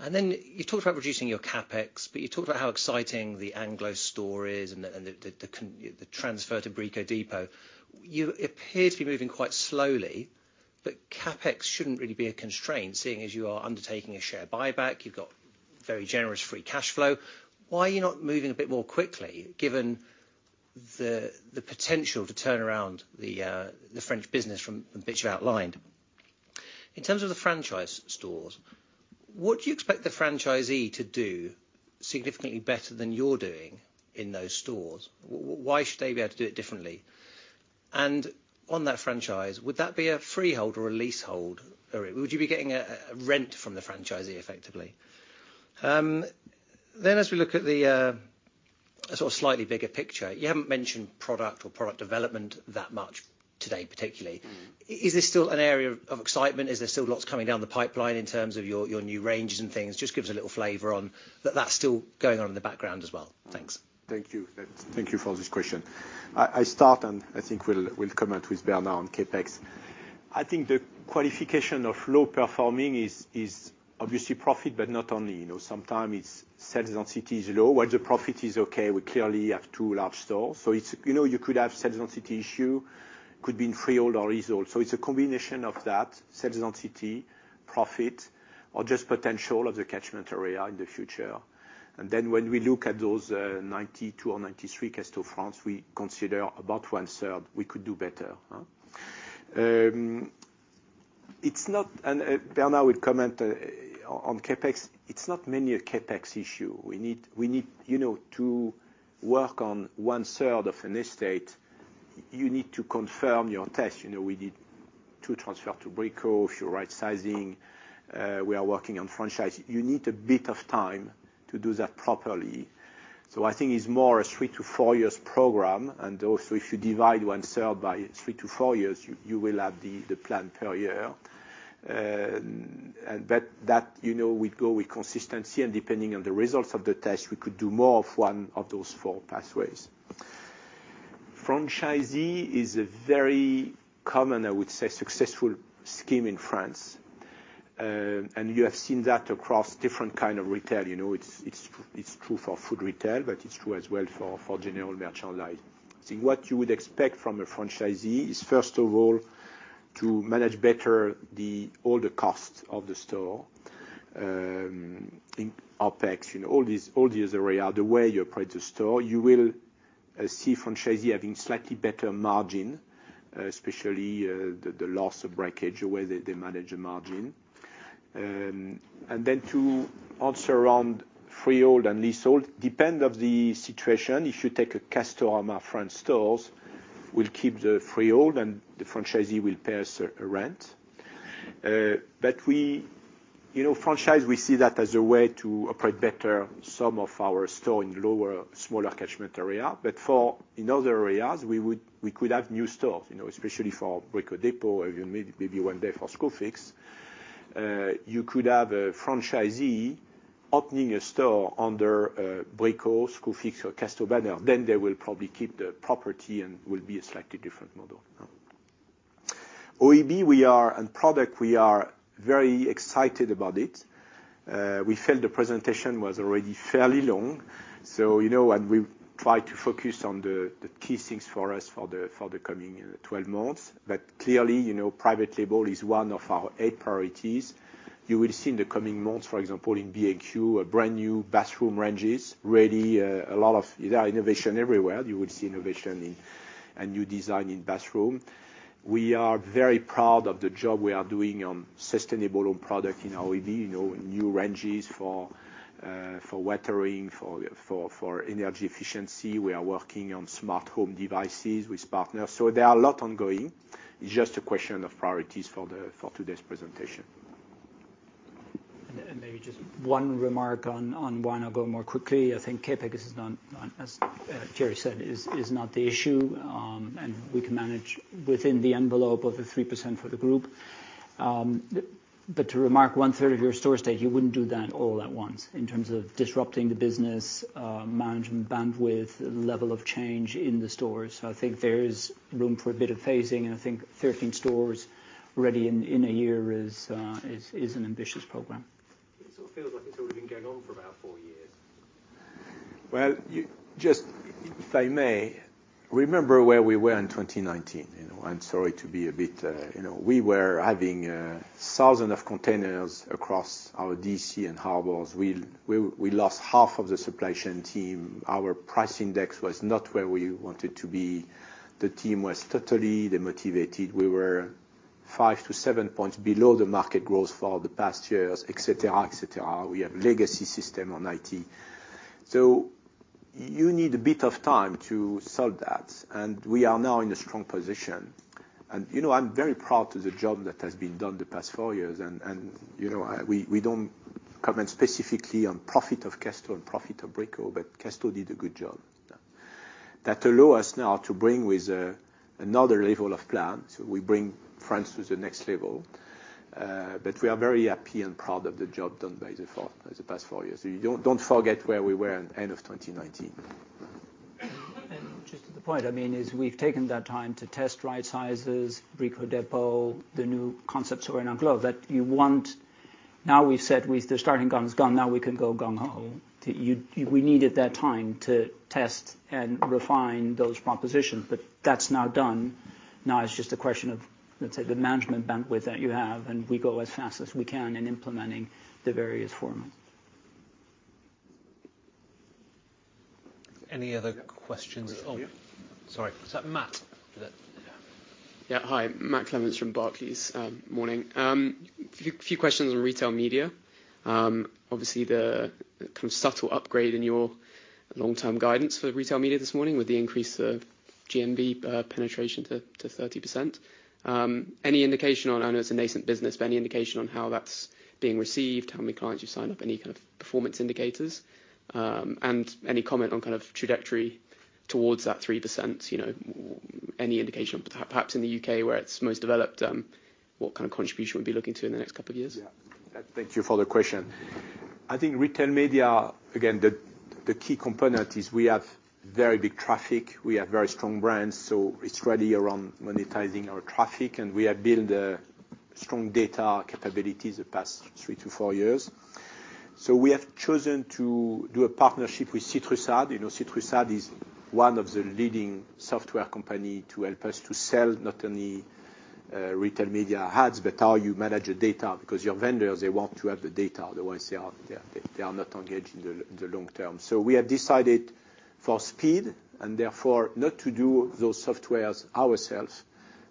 And then you've talked about reducing your CapEx. But you've talked about how exciting the Englos store is and the transfer to Brico Dépôt. You appear to be moving quite slowly. But CapEx shouldn't really be a constraint, seeing as you are undertaking a share buyback. You've got very generous free cash flow. Why are you not moving a bit more quickly, given the potential to turn around the French business from which you've outlined? In terms of the franchise stores, what do you expect the franchisee to do significantly better than you're doing in those stores? Why should they be able to do it differently? And on that franchise, would that be a freehold or a leasehold? Would you be getting a rent from the franchisee, effectively? Then as we look at the sort of slightly bigger picture, you haven't mentioned product or product development that much today, particularly. Is this still an area of excitement? Is there still lots coming down the pipeline in terms of your new ranges and things? Just gives a little flavor on that that's still going on in the background as well. Thanks. Thank you. Thank you for this question. I'll start, and I think we'll comment with Bernard on CapEx. I think the qualification of low performing is obviously profit, but not only. Sometimes, sales density is low. While the profit is okay, we clearly have two large stores. So you could have sales density issue. It could be in freehold or leasehold. So it's a combination of that, sales density, profit, or just potential of the catchment area in the future. Then when we look at those 92 or 93 Castorama France, we consider about one-third we could do better. And Bernard will comment on CapEx. It's not merely a CapEx issue. We need to work on one-third of an estate. You need to confirm your test. We did two transfers to Brico if you're right-sizing. We are working on franchise. You need a bit of time to do that properly. I think it's more a three to four years program. Also, if you divide 1/3 by three to four years, you will have the plan per year. But that would go with consistency. Depending on the results of the test, we could do more of one of those four pathways. Franchisee is a very common, I would say, successful scheme in France. You have seen that across different kind of retail. It's true for food retail. But it's true as well for general merchandise. I think what you would expect from a franchisee is, first of all, to manage better all the costs of the store, OPEX, all these areas, the way you operate the store. You will see franchisee having slightly better margin, especially the loss of breakage, the way they manage the margin. Then, to answer around freehold and leasehold, depend on the situation. If you take Castorama France stores, we'll keep the freehold. And the franchisee will pay us a rent. But franchise, we see that as a way to operate better some of our store in lower, smaller catchment area. But for in other areas, we could have new stores, especially for Brico Dépôt, maybe one day for Screwfix. You could have a franchisee opening a store under Brico, Screwfix, or Casto banner. Then they will probably keep the property. And it will be a slightly different model. OEB, we are a product. We are very excited about it. We felt the presentation was already fairly long. And we tried to focus on the key things for us for the coming 12 months. But clearly, private label is one of our eight priorities. You will see in the coming months, for example, in B&Q, brand new bathroom ranges, really a lot of there are innovation everywhere. You will see innovation and new design in bathroom. We are very proud of the job we are doing on sustainable home product in OEB, new ranges for watering, for energy efficiency. We are working on smart home devices with partners. So there are a lot ongoing. It's just a question of priorities for today's presentation. Maybe just one remark on why not go more quickly. I think CapEx is not, as Thierry said, is not the issue. We can manage within the envelope of the 3% for the group. But to remark 1/3 of your store estate, you wouldn't do that all at once in terms of disrupting the business, management bandwidth, level of change in the stores. So I think there is room for a bit of phasing. I think 13 stores ready in a year is an ambitious program. It feels like it's already been going on for about four years. Well, just if I may, remember where we were in 2019. I'm sorry to be a bit, we were having thousands of containers across our DC and harbors. We lost half of the supply chain team. Our price index was not where we wanted to be. The team was totally demotivated. We were five to seven points below the market growth for the past years, et cetera, et cetera. We have legacy system on IT. So you need a bit of time to solve that. And we are now in a strong position. And I'm very proud of the job that has been done the past four years. And we don't comment specifically on profit of Casto and profit of Brico. But Casto did a good job. That allow us now to bring with another level of plan. So we bring France to the next level. But we are very happy and proud of the job done by the past four years. So don't forget where we were at the end of 2019. Just to the point, I mean, as we've taken that time to test right-sizes, Brico Dépôt, the new concepts we're in Englos that you want. Now we've said, "The starting gun is gone. Now we can go gung ho." We needed that time to test and refine those propositions. But that's now done. Now it's just a question of, let's say, the management bandwidth that you have. And we go as fast as we can in implementing the various formats. Any other questions? Yes. Oh, sorry. Is that Matt? Yeah. Hi. Matt Clements from Barclays. Morning. A few questions on retail media. Obviously, the kind of subtle upgrade in your long-term guidance for retail media this morning with the increase of GMV penetration to 30%. Any indication on? I know it's a nascent business. But any indication on how that's being received, how many clients you've signed up, any kind of performance indicators? And any comment on kind of trajectory towards that 3%? Any indication perhaps in the U.K. where it's most developed, what kind of contribution we'd be looking to in the next couple of years? Yeah. Thank you for the question. I think retail media, again, the key component is we have very big traffic. We have very strong brands. So it's really around monetizing our traffic. And we have built strong data capabilities the past three to four years. So we have chosen to do a partnership with CitrusAd. CitrusAd is one of the leading software companies to help us to sell not only retail media ads but how you manage the data because your vendors, they want to have the data. Otherwise, they are not engaged in the long term. So we have decided for speed, and therefore, not to do those softwares ourselves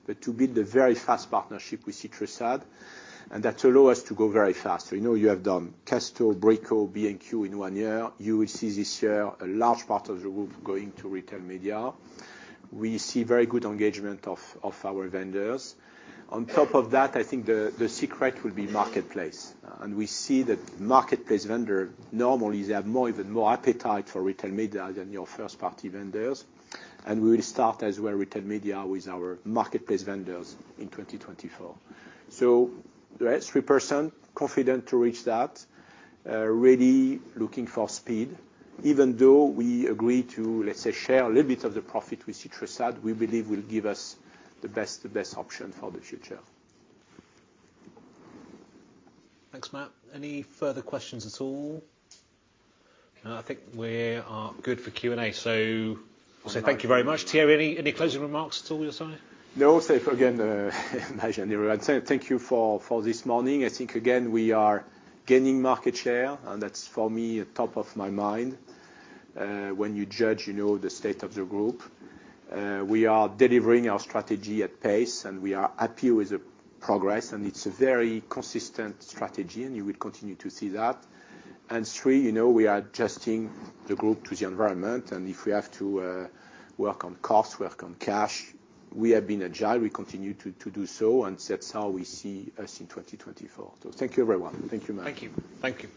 but to build a very fast partnership with CitrusAd. And that allow us to go very fast. So you have done Castorama, Brico Dépôt, B&Q in one year. You will see this year a large part of the group going to Retail Media. We see very good engagement of our vendors. On top of that, I think the secret will be marketplace. And we see that marketplace vendors, normally, they have even more appetite for retail media than your first-party vendors. And we will start as well retail media with our marketplace vendors in 2024. So the rest 3% confident to reach that, really looking for speed. Even though we agree to, let's say, share a little bit of the profit with CitrusAd, we believe will give us the best option for the future. Thanks, Matt. Any further questions at all? I think we are good for Q and A. So thank you very much. Thierry, any closing remarks at all your side? No. Again, thank you for this morning. I think, again, we are gaining market share. That's, for me, top of my mind when you judge the state of the group. We are delivering our strategy at pace. We are happy with the progress. It's a very consistent strategy. You will continue to see that. And three, we are adjusting the group to the environment. If we have to work on costs, work on cash, we have been agile. We continue to do so. That's how we see us in 2024. So thank you, everyone. Thank you. Thank you. Thank you.